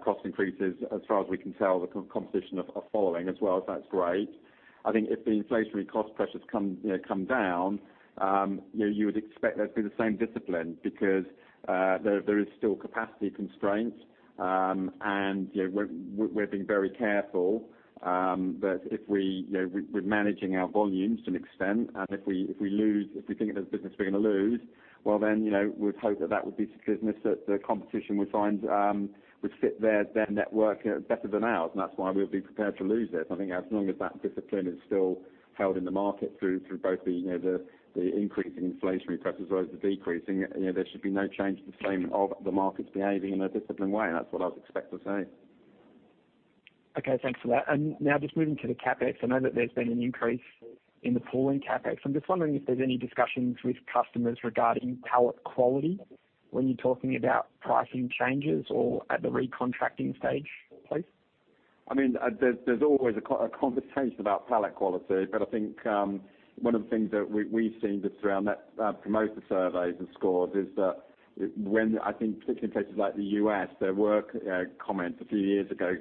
cost increases, as far as we can tell, the competition are following as well. That's great. I think if the inflationary cost pressures come down, you would expect there'd be the same discipline because there is still capacity constraints. We're being very careful. We're managing our volumes to an extent, and if we think there's business we're going to lose, well, we'd hope that would be business that the competition would find would fit their network better than ours, and that's why we would be prepared to lose it. I think as long as that discipline is still held in the market through both the increase in inflationary pressures as well as the decrease, there should be no change to the theme of the markets behaving in a disciplined way, and that's what I'd expect to see. Okay, thanks for that. Now just moving to the CapEx. I know that there's been an increase in the pooling CapEx. I'm just wondering if there's any discussions with customers regarding pallet quality when you're talking about pricing changes or at the recontracting stage, please. There's always a conversation about pallet quality. I think one of the things that we've seen just around that promoter surveys and scores is that when I think particularly in places like the U.S., there were comments a few years ago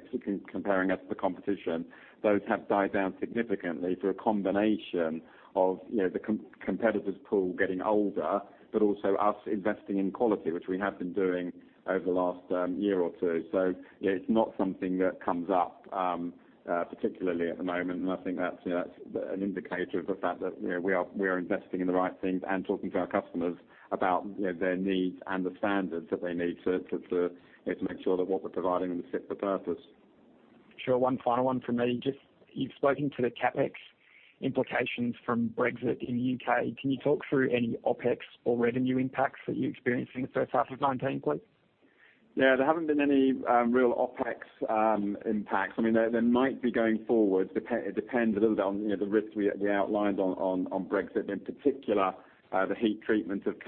comparing us to the competition. Those have died down significantly through a combination of the competitor's pool getting older, but also us investing in quality, which we have been doing over the last year or two. It's not something that comes up particularly at the moment. I think that's an indicator of the fact that we are investing in the right things and talking to our customers about their needs and the standards that they need to make sure that what we're providing them fits the purpose. Sure. One final one from me. You've spoken to the CapEx implications from Brexit in the U.K. Can you talk through any OpEx or revenue impacts that you're experiencing in the first half of 2019, please? Yeah. There haven't been any real OpEx impacts. There might be going forward. It depends a little bit on the risks we outlined on Brexit, in particular, the heat treatment of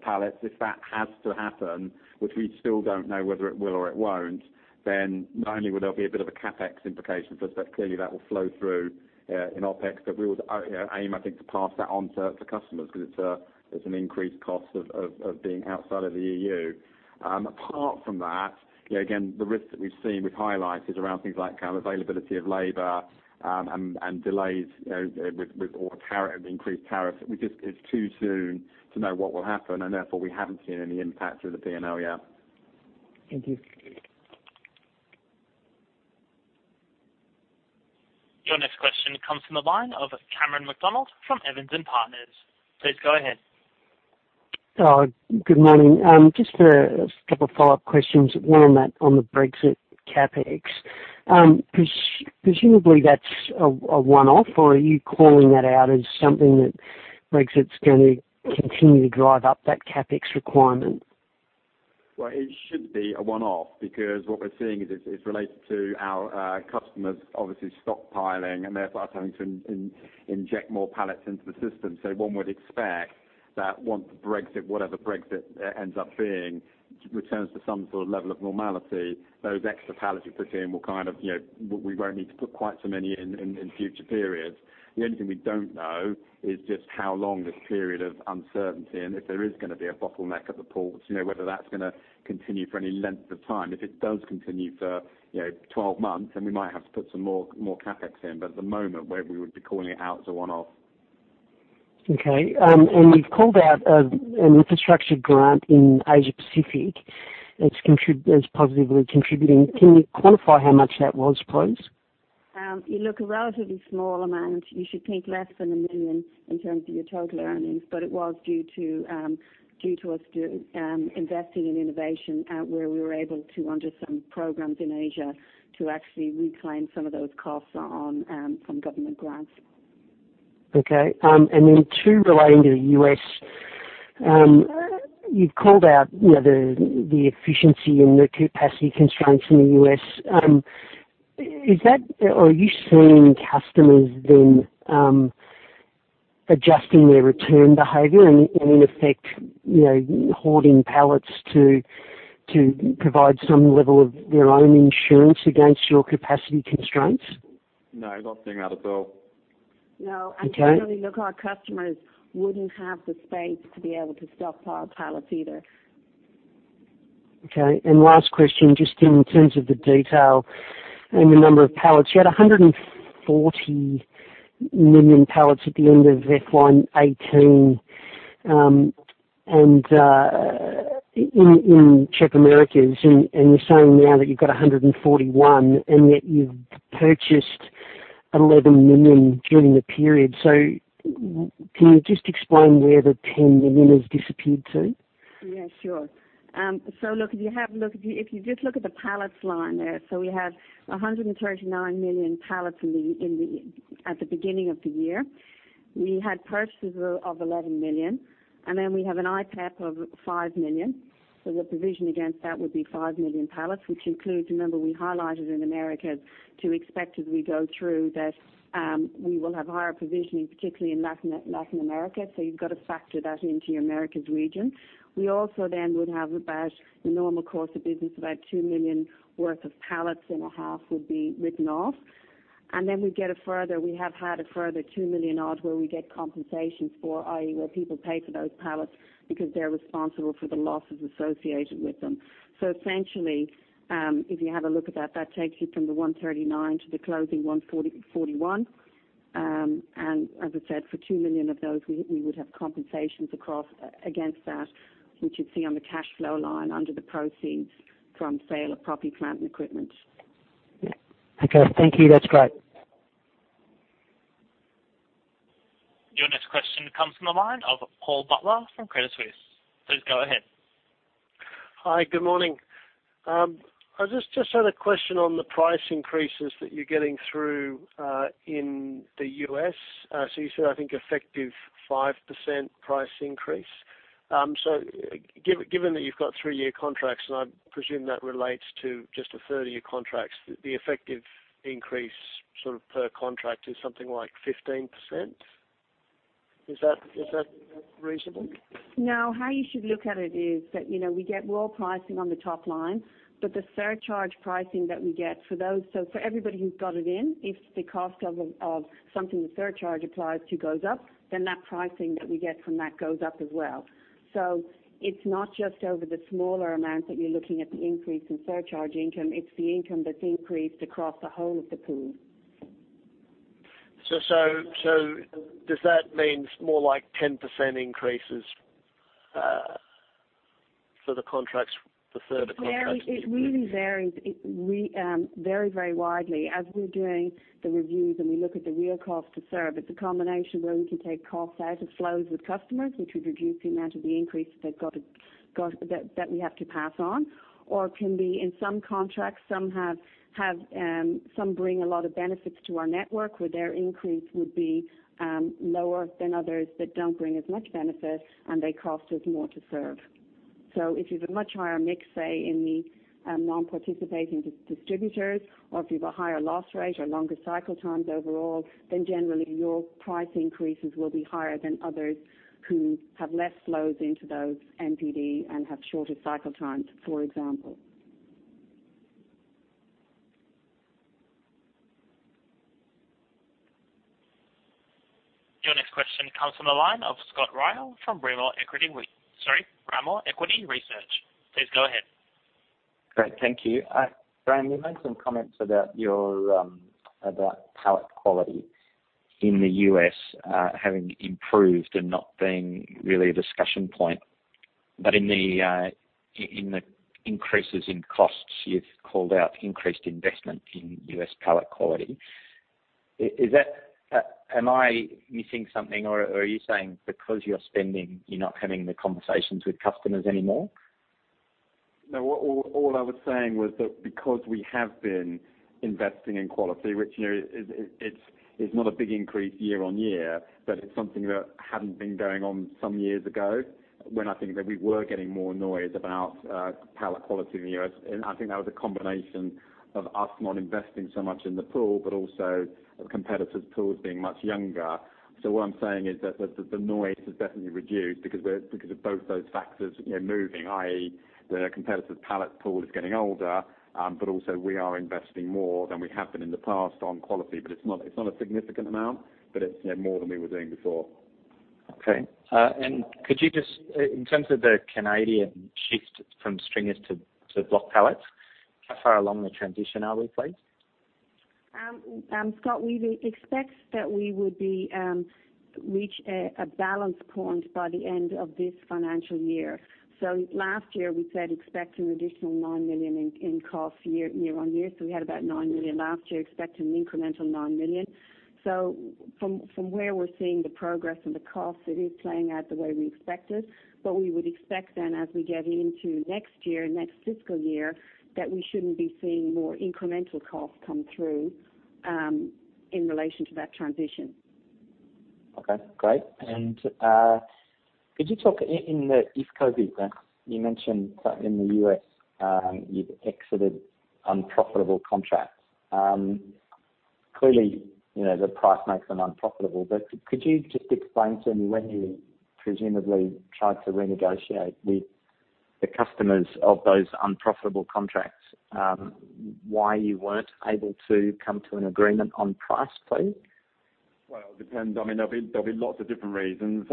pallets. If that has to happen, which we still don't know whether it will or it won't, then not only will there be a bit of a CapEx implication for us, clearly that will flow through in OpEx. We would aim, I think, to pass that on to customers because it's an increased cost of being outside of the EU. Apart from that, again, the risks that we've seen, we've highlighted around things like availability of labor and delays with increased tariffs. It's too soon to know what will happen, and therefore we haven't seen any impacts of the P&L yet. Thank you. Your next question comes from the line of Cameron McDonald from E&P Financial Group. Please go ahead. Good morning. Just a couple of follow-up questions, one on the Brexit CapEx. Presumably that's a one-off, or are you calling that out as something that Brexit's going to continue to drive up that CapEx requirement? Well, it should be a one-off because what we're seeing is it's related to our customers obviously stockpiling and therefore us having to inject more pallets into the system. One would expect that once Brexit, whatever Brexit ends up being, returns to some sort of level of normality, those extra pallets we put in, we won't need to put quite so many in future periods. The only thing we don't know is just how long this period of uncertainty and if there is going to be a bottleneck at the ports, whether that's going to continue for any length of time. If it does continue for 12 months, then we might have to put some more CapEx in. At the moment, we would be calling it out as a one-off. Okay. You've called out an infrastructure grant in Asia Pacific that's positively contributing. Can you quantify how much that was, please? Look, a relatively small amount. You should think less than 1 million in terms of your total earnings, but it was due to us investing in innovation where we were able to, under some programs in Asia, to actually reclaim some of those costs from government grants. Then two relating to the U.S. You've called out the efficiency and the capacity constraints in the U.S. Are you seeing customers then adjusting their return behavior and in effect, hoarding pallets to provide some level of their own insurance against your capacity constraints? No, we're not seeing that at all. No. Okay. Generally, look, our customers wouldn't have the space to be able to stockpile pallets either. Okay. Last question, just in terms of the detail and the number of pallets. You had 139 million pallets at the end of FY 2018 in CHEP Americas, you're saying now that you've got 141 and yet you've purchased 11 million during the period. Can you just explain where the 10 million has disappeared to? Yeah, sure. If you just look at the pallets line there. We have 139 million pallets at the beginning of the year. We had purchases of 11 million, and then we have an IPEP of 5 million. The provision against that would be 5 million pallets, which includes, remember, we highlighted in Americas to expect as we go through that we will have higher provisioning, particularly in Latin America. You've got to factor that into your Americas region. We also would have about the normal course of business, about 2 million worth of pallets in a half would be written off. We have had a further 2 million odd where we get compensations for, i.e., where people pay for those pallets because they're responsible for the losses associated with them. Essentially, if you have a look at that takes you from the 139 to the closing 141. As I said, for 2 million of those, we would have compensations against that, which you'd see on the cash flow line under the proceeds from sale of property, plant, and equipment. Okay. Thank you. That's great. Your next question comes from the line of Paul Butler from Credit Suisse. Please go ahead. Hi, good morning. I just had a question on the price increases that you're getting through in the U.S. You said, I think, effective 5% price increase. Given that you've got three-year contracts, and I presume that relates to just a third of your contracts, the effective increase per contract is something like 15%? Is that reasonable? No, how you should look at it is that we get raw pricing on the top line, but the surcharge pricing that we get for those. For everybody who's got it in, if the cost of something the surcharge applies to goes up, then that pricing that we get from that goes up as well. It's not just over the smaller amounts that you're looking at the increase in surcharge income, it's the income that's increased across the whole of the pool. Does that mean it's more like 10% increases? For the contracts to serve- It really varies very widely. As we're doing the reviews and we look at the real cost to serve, it's a combination where we can take costs out of flows with customers, which would reduce the amount of the increase that we have to pass on, or it can be in some contracts, some bring a lot of benefits to our network, where their increase would be lower than others that don't bring as much benefit, and they cost us more to serve. If you've a much higher mix, say, in the non-participating distributors, or if you've a higher loss rate or longer cycle times overall, then generally your price increases will be higher than others who have less flows into those NPD and have shorter cycle times, for example. Your next question comes from the line of Scott Ryall from Rimor Equity Research. Please go ahead. Great. Thank you. Graham, you made some comments about pallet quality in the U.S. having improved and not being really a discussion point. In the increases in costs, you've called out increased investment in U.S. pallet quality. Am I missing something, or are you saying because you're spending, you're not having the conversations with customers anymore? All I was saying was that because we have been investing in quality, which is not a big increase year-on-year, but it's something that hadn't been going on some years ago, when I think that we were getting more noise about pallet quality in the U.S. I think that was a combination of us not investing so much in the pool, also competitors' pools being much younger. What I'm saying is that the noise has definitely reduced because of both those factors moving, i.e., the competitor's pallet pool is getting older. Also we are investing more than we have been in the past on quality, but it's not a significant amount, but it's more than we were doing before. Okay. Could you just, in terms of the Canadian shift from stringers to block pallets, how far along the transition are we, please? Scott, we expect that we would reach a balance point by the end of this financial year. Last year, we said expect an additional 9 million in costs year-on-year. We had about 9 million last year, expect an incremental 9 million. From where we're seeing the progress and the costs, it is playing out the way we expected. We would expect then as we get into next year, next fiscal year, that we shouldn't be seeing more incremental costs come through in relation to that transition. Okay, great. Could you talk in the IFCO business, you mentioned that in the U.S., you've exited unprofitable contracts. Clearly, the price makes them unprofitable. Could you just explain to me when you presumably tried to renegotiate with the customers of those unprofitable contracts, why you weren't able to come to an agreement on price, please? Well, it depends. There'll be lots of different reasons.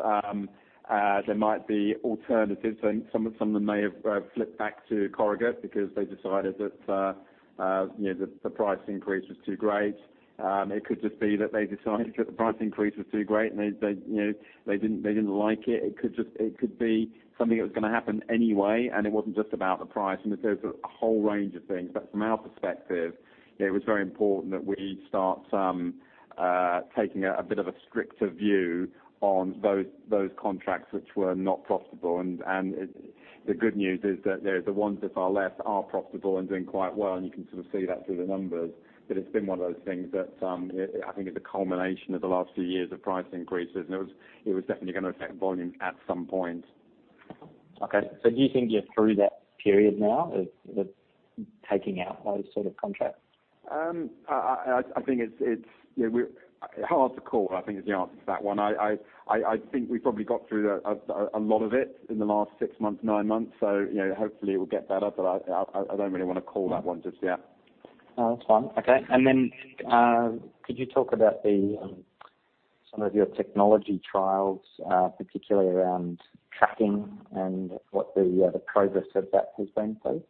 There might be alternatives. Some of them may have flipped back to corrugate because they decided that the price increase was too great. It could just be that they decided that the price increase was too great and they didn't like it. It could be something that was going to happen anyway, and it wasn't just about the price. There's a whole range of things. From our perspective, it was very important that we start taking a bit of a stricter view on those contracts which were not profitable. The good news is that the ones that are left are profitable and doing quite well, and you can sort of see that through the numbers. It's been one of those things that I think is a culmination of the last few years of price increases, and it was definitely going to affect volume at some point. Okay. Do you think you're through that period now of taking out those sort of contracts? Hard to call, I think is the answer to that one. I think we probably got through a lot of it in the last six months, nine months. Hopefully it will get better, but I don't really want to call that one just yet. No, that's fine. Okay. Then could you talk about some of your technology trials, particularly around tracking and what the progress of that has been, please?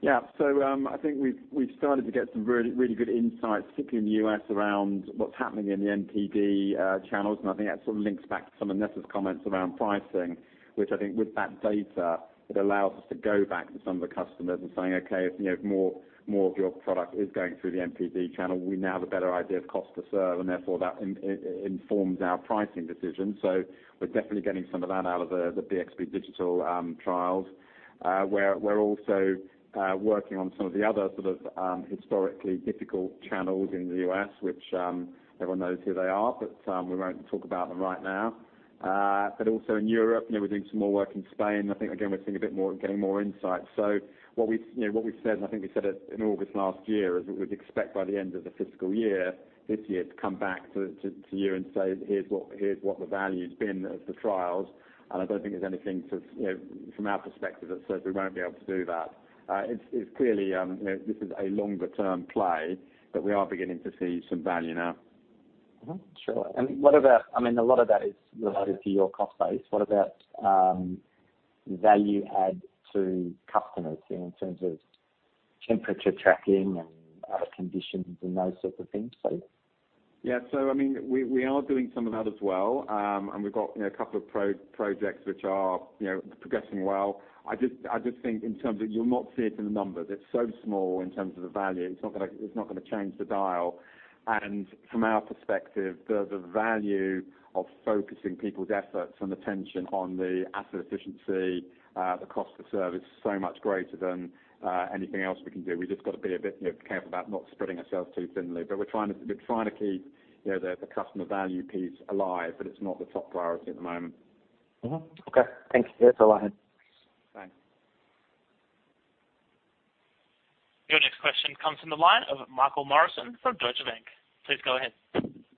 Yeah. I think we've started to get some really good insights, particularly in the U.S., around what's happening in the NPD channels. I think that sort of links back to some of Nessa's comments around pricing, which I think with that data, it allows us to go back to some of the customers and saying, "Okay, if more of your product is going through the NPD channel, we now have a better idea of cost to serve," and therefore that informs our pricing decision. We're definitely getting some of that out of the BXB Digital trials. We're also working on some of the other sort of historically difficult channels in the U.S., which everyone knows who they are, but we won't talk about them right now. Also in Europe, we're doing some more work in Spain. Again, we're getting more insight. What we've said, and I think we said it in August last year, is that we'd expect by the end of the fiscal year this year to come back to you and say, "Here's what the value's been of the trials." I don't think there's anything from our perspective that says we won't be able to do that. It's clearly this is a longer-term play, we are beginning to see some value now. Sure. I mean, a lot of that is related to your cost base. What about value add to customers in terms of temperature tracking and other conditions and those sorts of things, please? Yeah. We are doing some of that as well. We've got a couple of projects which are progressing well. I just think in terms of you'll not see it in the numbers. It's so small in terms of the value. It's not going to change the dial. From our perspective, the value of focusing people's efforts and attention on the asset efficiency, the cost to serve is so much greater than anything else we can do. We just got to be a bit careful about not spreading ourselves too thinly. We're trying to keep the customer value piece alive, it's not the top priority at the moment. Mm-hmm. Okay. Thank you. Thanks a lot. Thanks. Your next question comes from the line of Michael Morrison from Deutsche Bank. Please go ahead.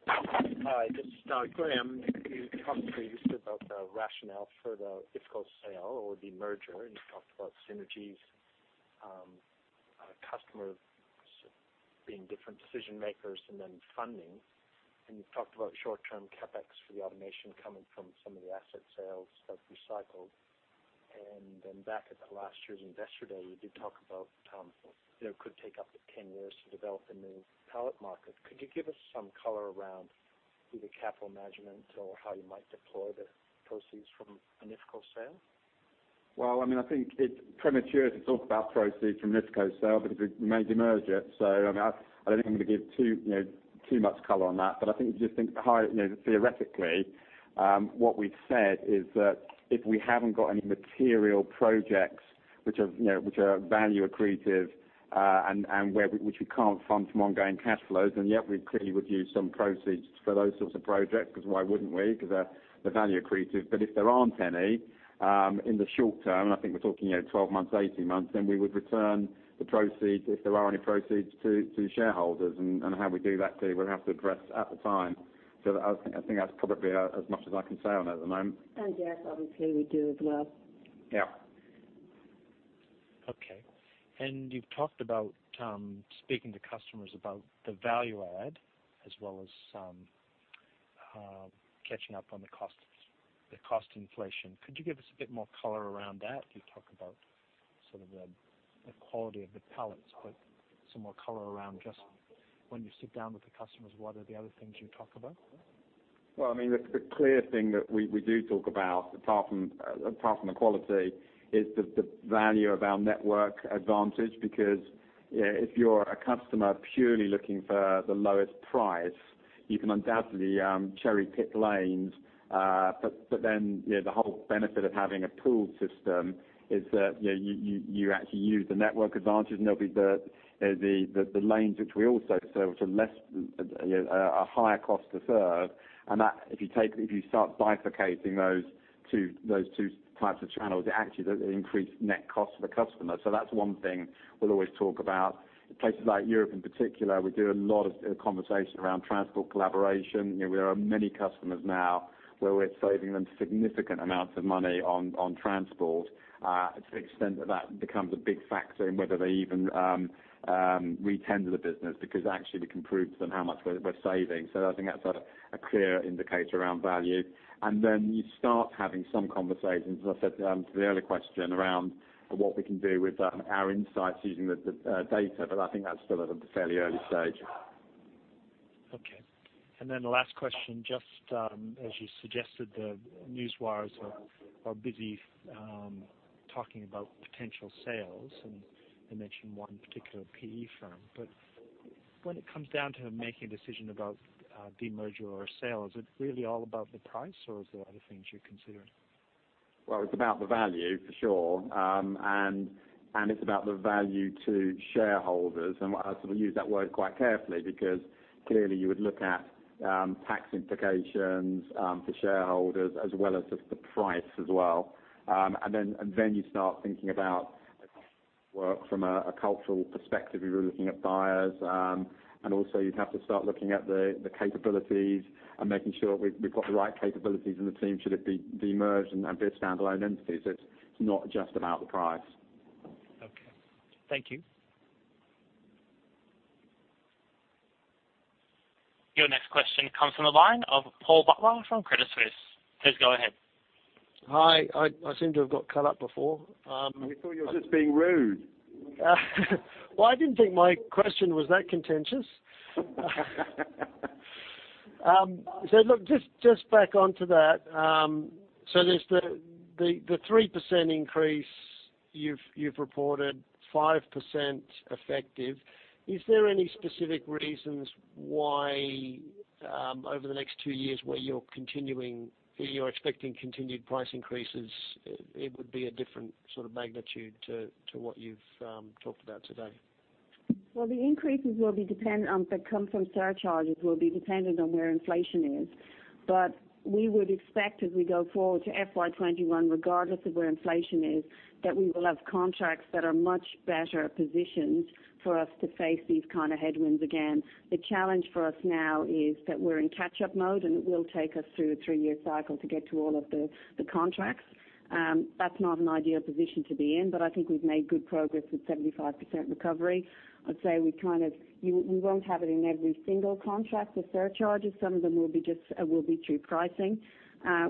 Hi, this is Graham. You talked previously about the rationale for the IFCO sale or the merger, you talked about synergies, customers being different decision-makers and then funding. You've talked about short-term CapEx for the automation coming from some of the asset sales that you cycled. Back at the last year's Investor Day, you did talk about it could take up to 10 years to develop a new pallet market. Could you give us some color around either capital management or how you might deploy the proceeds from a IFCO sale? Well, I think it's premature to talk about proceeds from IFCO sale because we made the merger. I don't think I'm going to give too much color on that. But I think if you just think theoretically, what we've said is that if we haven't got any material projects which are value accretive, and which we can't fund from ongoing cash flows, then yeah, we clearly would use some proceeds for those sorts of projects, because why wouldn't we? Because they're value accretive. But if there aren't any in the short term, I think we're talking 12 months, 18 months, then we would return the proceeds if there are any proceeds to shareholders. How we do that too, we'll have to address at the time. I think that's probably as much as I can say on it at the moment. Yes, obviously we do as well. Yeah. Okay. You've talked about speaking to customers about the value add as well as catching up on the cost inflation. Could you give us a bit more color around that? You talk about sort of the quality of the pallets, but some more color around just when you sit down with the customers, what are the other things you talk about? Well, the clear thing that we do talk about apart from the quality is the value of our network advantage. If you're a customer purely looking for the lowest price, you can undoubtedly cherry-pick lanes. The whole benefit of having a pooled system is that you actually use the network advantages, and they'll be the lanes which we also serve for less, are higher cost to serve. If you start bifurcating those 2 types of channels, it actually increase net cost for the customer. That's one thing we'll always talk about. In places like Europe in particular, we do a lot of conversation around transport collaboration. There are many customers now where we're saving them significant amounts of money on transport, to the extent that becomes a big factor in whether they even re-tender the business because actually we can prove to them how much we're saving. I think that's a clear indicator around value. Then you start having some conversations, as I said to the earlier question around what we can do with our insights using the data. I think that's still at a fairly early stage. Okay. Then the last question, just as you suggested, the newswires are busy talking about potential sales, and you mentioned one particular PE firm. When it comes down to making a decision about demerger or sales, is it really all about the price or is there other things you're considering? Well, it's about the value for sure. It's about the value to shareholders. I sort of use that word quite carefully because clearly you would look at tax implications for shareholders as well as just the price as well. Then you start thinking about work from a cultural perspective if you were looking at buyers. Also you'd have to start looking at the capabilities and making sure we've got the right capabilities in the team should it demerge and be a standalone entity. It's not just about the price. Okay. Thank you. Your next question comes from the line of Paul Butler from Credit Suisse. Please go ahead. Hi. I seem to have got cut up before. We thought you were just being rude. I didn't think my question was that contentious. Look, just back onto that. There's the 3% increase you've reported, 5% effective. Is there any specific reasons why over the next two years where you're expecting continued price increases, it would be a different sort of magnitude to what you've talked about today? The increases that come from surcharges will be dependent on where inflation is. We would expect as we go forward to FY 2021, regardless of where inflation is, that we will have contracts that are much better positioned for us to face these kind of headwinds again. The challenge for us now is that we're in catch-up mode, and it will take us through a three-year cycle to get to all of the contracts. That's not an ideal position to be in, but I think we've made good progress with 75% recovery. I'd say we won't have it in every single contract with surcharges. Some of them will be through pricing.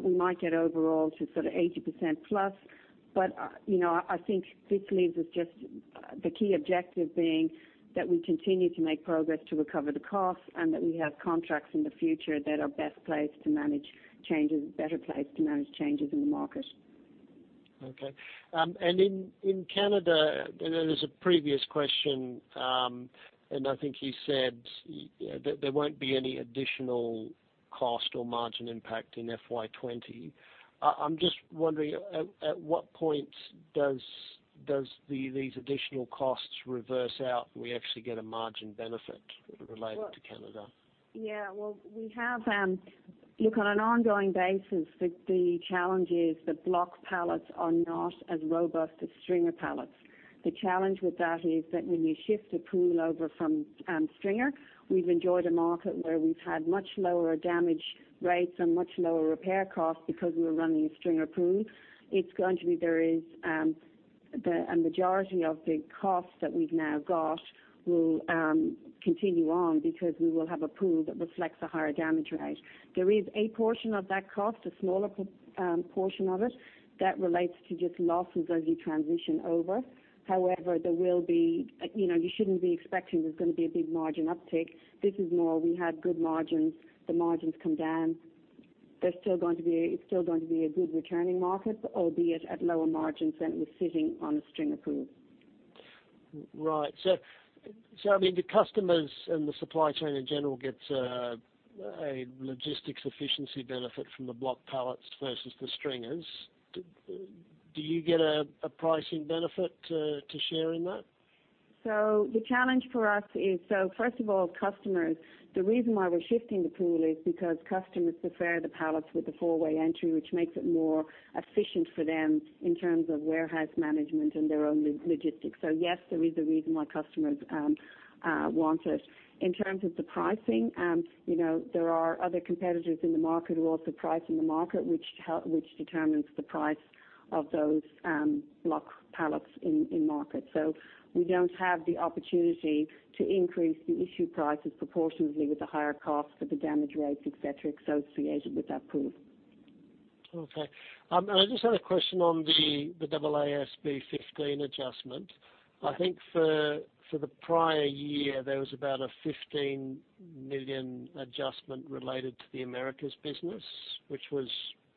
We might get overall to sort of 80% plus. This leaves us. The key objective being that we continue to make progress to recover the costs and that we have contracts in the future that are best placed to manage changes, better placed to manage changes in the market. Okay. In Canada, I know there's a previous question, and I think you said that there won't be any additional cost or margin impact in FY 2020. I'm just wondering at what point does these additional costs reverse out and we actually get a margin benefit related to Canada? Yeah. Look, on an ongoing basis, the challenge is that block pallets are not as robust as stringer pallets. The challenge with that is that when you shift a pool over from stringer, we've enjoyed a market where we've had much lower damage rates and much lower repair costs because we were running a stringer pool. The majority of the costs that we've now got will continue on because we will have a pool that reflects a higher damage rate. There is a portion of that cost, a smaller portion of it that relates to just losses as you transition over. You shouldn't be expecting there's going to be a big margin uptake. This is more, we had good margins. The margins come down. It's still going to be a good returning market, albeit at lower margins than it was sitting on a stringer pool. Right. The customers and the supply chain in general gets a logistics efficiency benefit from the block pallets versus the stringers. Do you get a pricing benefit to share in that? The challenge for us is, first of all, customers, the reason why we're shifting the pool is because customers prefer the pallets with the four-way entry, which makes it more efficient for them in terms of warehouse management and their own logistics. Yes, there is a reason why customers want it. In terms of the pricing, there are other competitors in the market who are also pricing the market, which determines the price of those block pallets in market. We don't have the opportunity to increase the issue prices proportionately with the higher costs for the damage rates, et cetera, associated with that pool. Okay. I just had a question on the AASB 15 adjustment. I think for the prior year, there was about an 15 million adjustment related to the Americas business, which was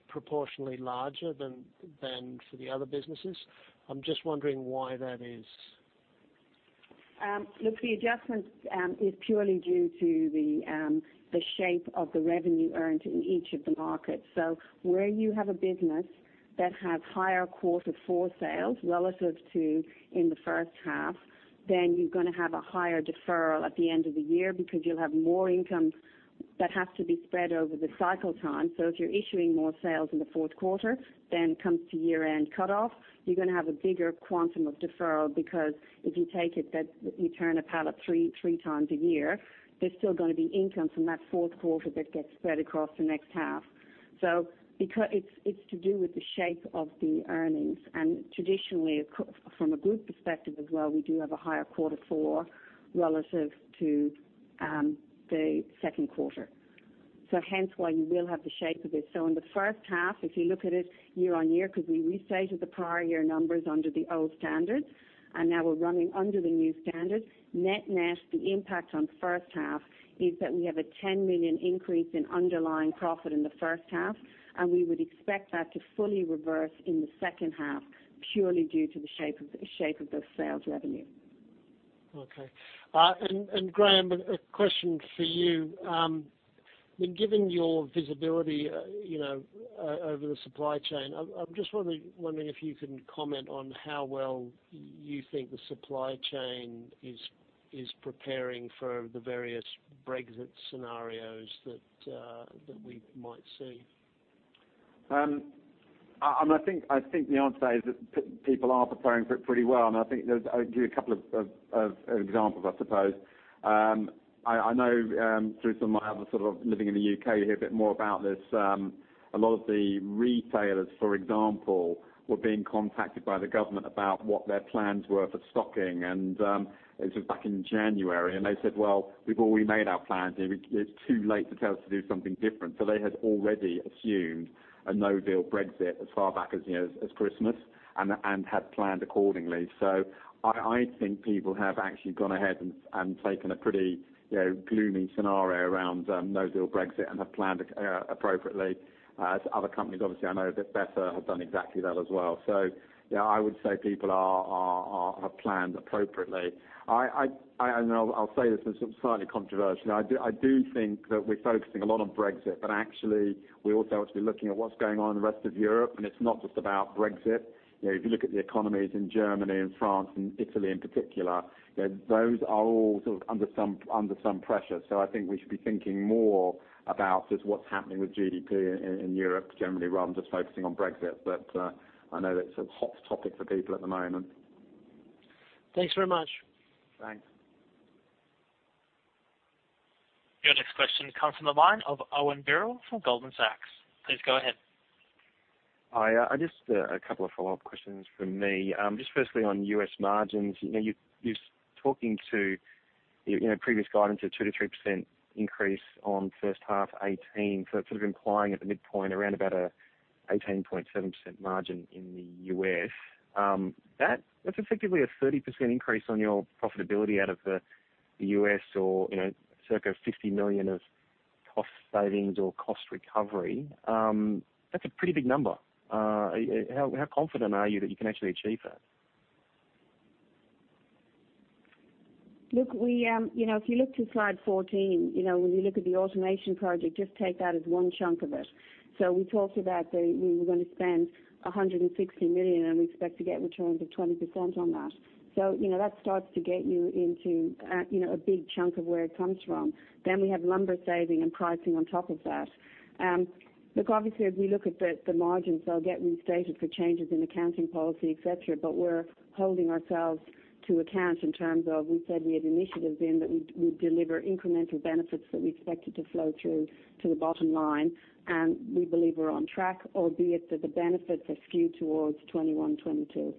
proportionally larger than for the other businesses. I'm just wondering why that is. Look, the adjustment is purely due to the shape of the revenue earned in each of the markets. Where you have a business that has higher quarter four sales relative to in the first half, then you're going to have a higher deferral at the end of the year because you'll have more income that has to be spread over the cycle time. If you're issuing more sales in the fourth quarter, then comes to year-end cutoff, you're going to have a bigger quantum of deferral because if you take it that you turn a pallet three times a year, there's still going to be income from that fourth quarter that gets spread across the next half. It's to do with the shape of the earnings. Traditionally, from a group perspective as well, we do have a higher quarter four relative to the second quarter. Hence why you will have the shape of it. In the first half, if you look at it year-on-year, because we restated the prior year numbers under the old standards, and now we're running under the new standards, net-net, the impact on first half is that we have an 10 million increase in underlying profit in the first half, and we would expect that to fully reverse in the second half, purely due to the shape of the sales revenue. Graham, a question for you. Given your visibility over the supply chain, I'm just wondering if you can comment on how well you think the supply chain is preparing for the various Brexit scenarios that we might see. I think the answer is that people are preparing for it pretty well. I'll give you a couple of examples, I suppose. I know through some of my other sort of living in the U.K., you hear a bit more about this. A lot of the retailers, for example, were being contacted by the government about what their plans were for stocking and this was back in January, and they said, "Well, we've already made our plans here. It's too late to tell us to do something different." They had already assumed a no-deal Brexit as far back as Christmas and had planned accordingly. I think people have actually gone ahead and taken a pretty gloomy scenario around no-deal Brexit and have planned appropriately. Other companies, obviously I know a bit better, have done exactly that as well. Yeah, I would say people have planned appropriately. I'll say this in some slightly controversial. I do think that we're focusing a lot on Brexit, but actually we also have to be looking at what's going on in the rest of Europe, and it's not just about Brexit. If you look at the economies in Germany and France and Italy in particular, those are all sort of under some pressure. I think we should be thinking more about just what's happening with GDP in Europe generally, rather than just focusing on Brexit. I know that it's a hot topic for people at the moment. Thanks very much. Thanks. Your next question comes from the line of Owen Birrell from Goldman Sachs. Please go ahead. Hi. Just a couple of follow-up questions from me. Just firstly on U.S. margins. You are talking to previous guidance of 2%-3% increase on first half 2018. It is sort of implying at the midpoint around about 18.7% margin in the U.S. That is effectively a 30% increase on your profitability out of the U.S. or circa 50 million of cost savings or cost recovery. That is a pretty big number. How confident are you that you can actually achieve that? If you look to slide 14, when you look at the automation project, just take that as one chunk of it. We talked about that we were going to spend 160 million, and we expect to get returns of 20% on that. That starts to get you into a big chunk of where it comes from. We have lumber saving and pricing on top of that. Obviously, if we look at the margins, they will get restated for changes in accounting policy, et cetera, but we are holding ourselves to account in terms of, we said we had initiatives in that would deliver incremental benefits that we expected to flow through to the bottom line. We believe we are on track, albeit that the benefits are skewed towards 2021, 2022.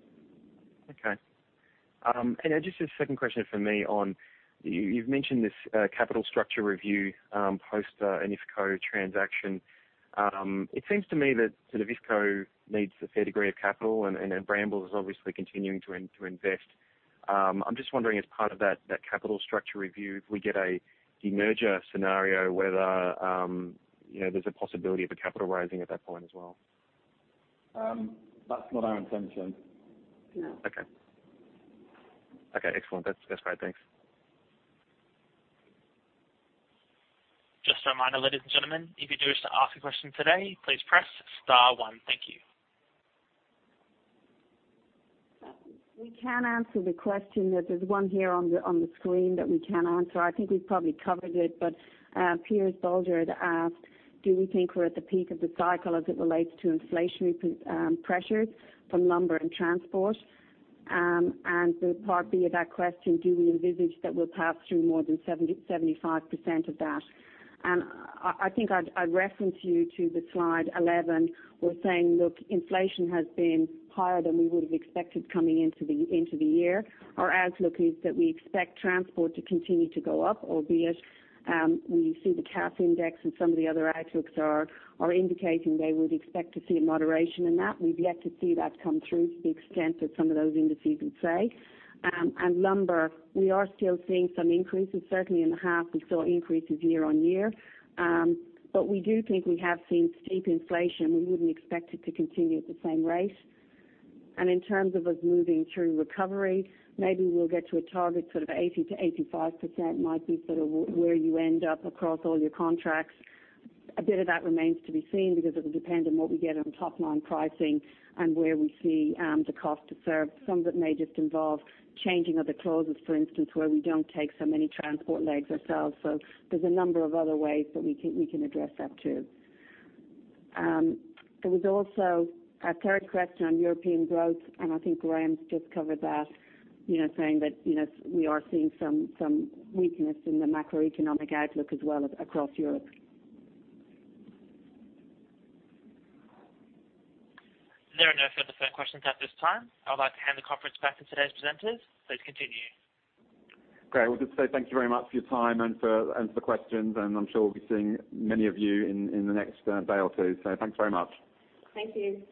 Okay. Just a second question from me on, you've mentioned this capital structure review, post an IFCO transaction. It seems to me that sort of IFCO needs a fair degree of capital, and Brambles is obviously continuing to invest. I'm just wondering as part of that capital structure review, if we get a demerger scenario whether there's a possibility of a capital raising at that point as well. That's not our intention. No. Okay. Okay, excellent. That's great. Thanks. Just a reminder, ladies and gentlemen, if you'd wish to ask a question today, please press star one. Thank you. We can answer the question. There's one here on the screen that we can answer. I think we've probably covered it. Piers Dolgard asked, do we think we're at the peak of the cycle as it relates to inflationary pressures from lumber and transport? The part B of that question, do we envisage that we'll pass through more than 75% of that? I think I'd reference you to the slide 11. We're saying, look, inflation has been higher than we would have expected coming into the year. Our outlook is that we expect transport to continue to go up, albeit, we see the Cass index and some of the other outlooks are indicating they would expect to see a moderation in that. We've yet to see that come through to the extent that some of those indices would say. Lumber, we are still seeing some increases, certainly in the half, we saw increases year-over-year. We do think we have seen steep inflation. We wouldn't expect it to continue at the same rate. In terms of us moving through recovery, maybe we'll get to a target sort of 80%-85% might be sort of where you end up across all your contracts. A bit of that remains to be seen because it'll depend on what we get on top-line pricing and where we see the cost to serve. Some of it may just involve changing other clauses, for instance, where we don't take so many transport legs ourselves. There's a number of other ways that we can address that too. There was also a third question on European growth. I think Graham's just covered that, saying that we are seeing some weakness in the macroeconomic outlook as well across Europe. There are no further phone questions at this time. I would like to hand the conference back to today's presenters. Please continue. Great. Well, just to say thank you very much for your time and for the questions, and I'm sure we'll be seeing many of you in the next day or two. Thanks very much. Thank you.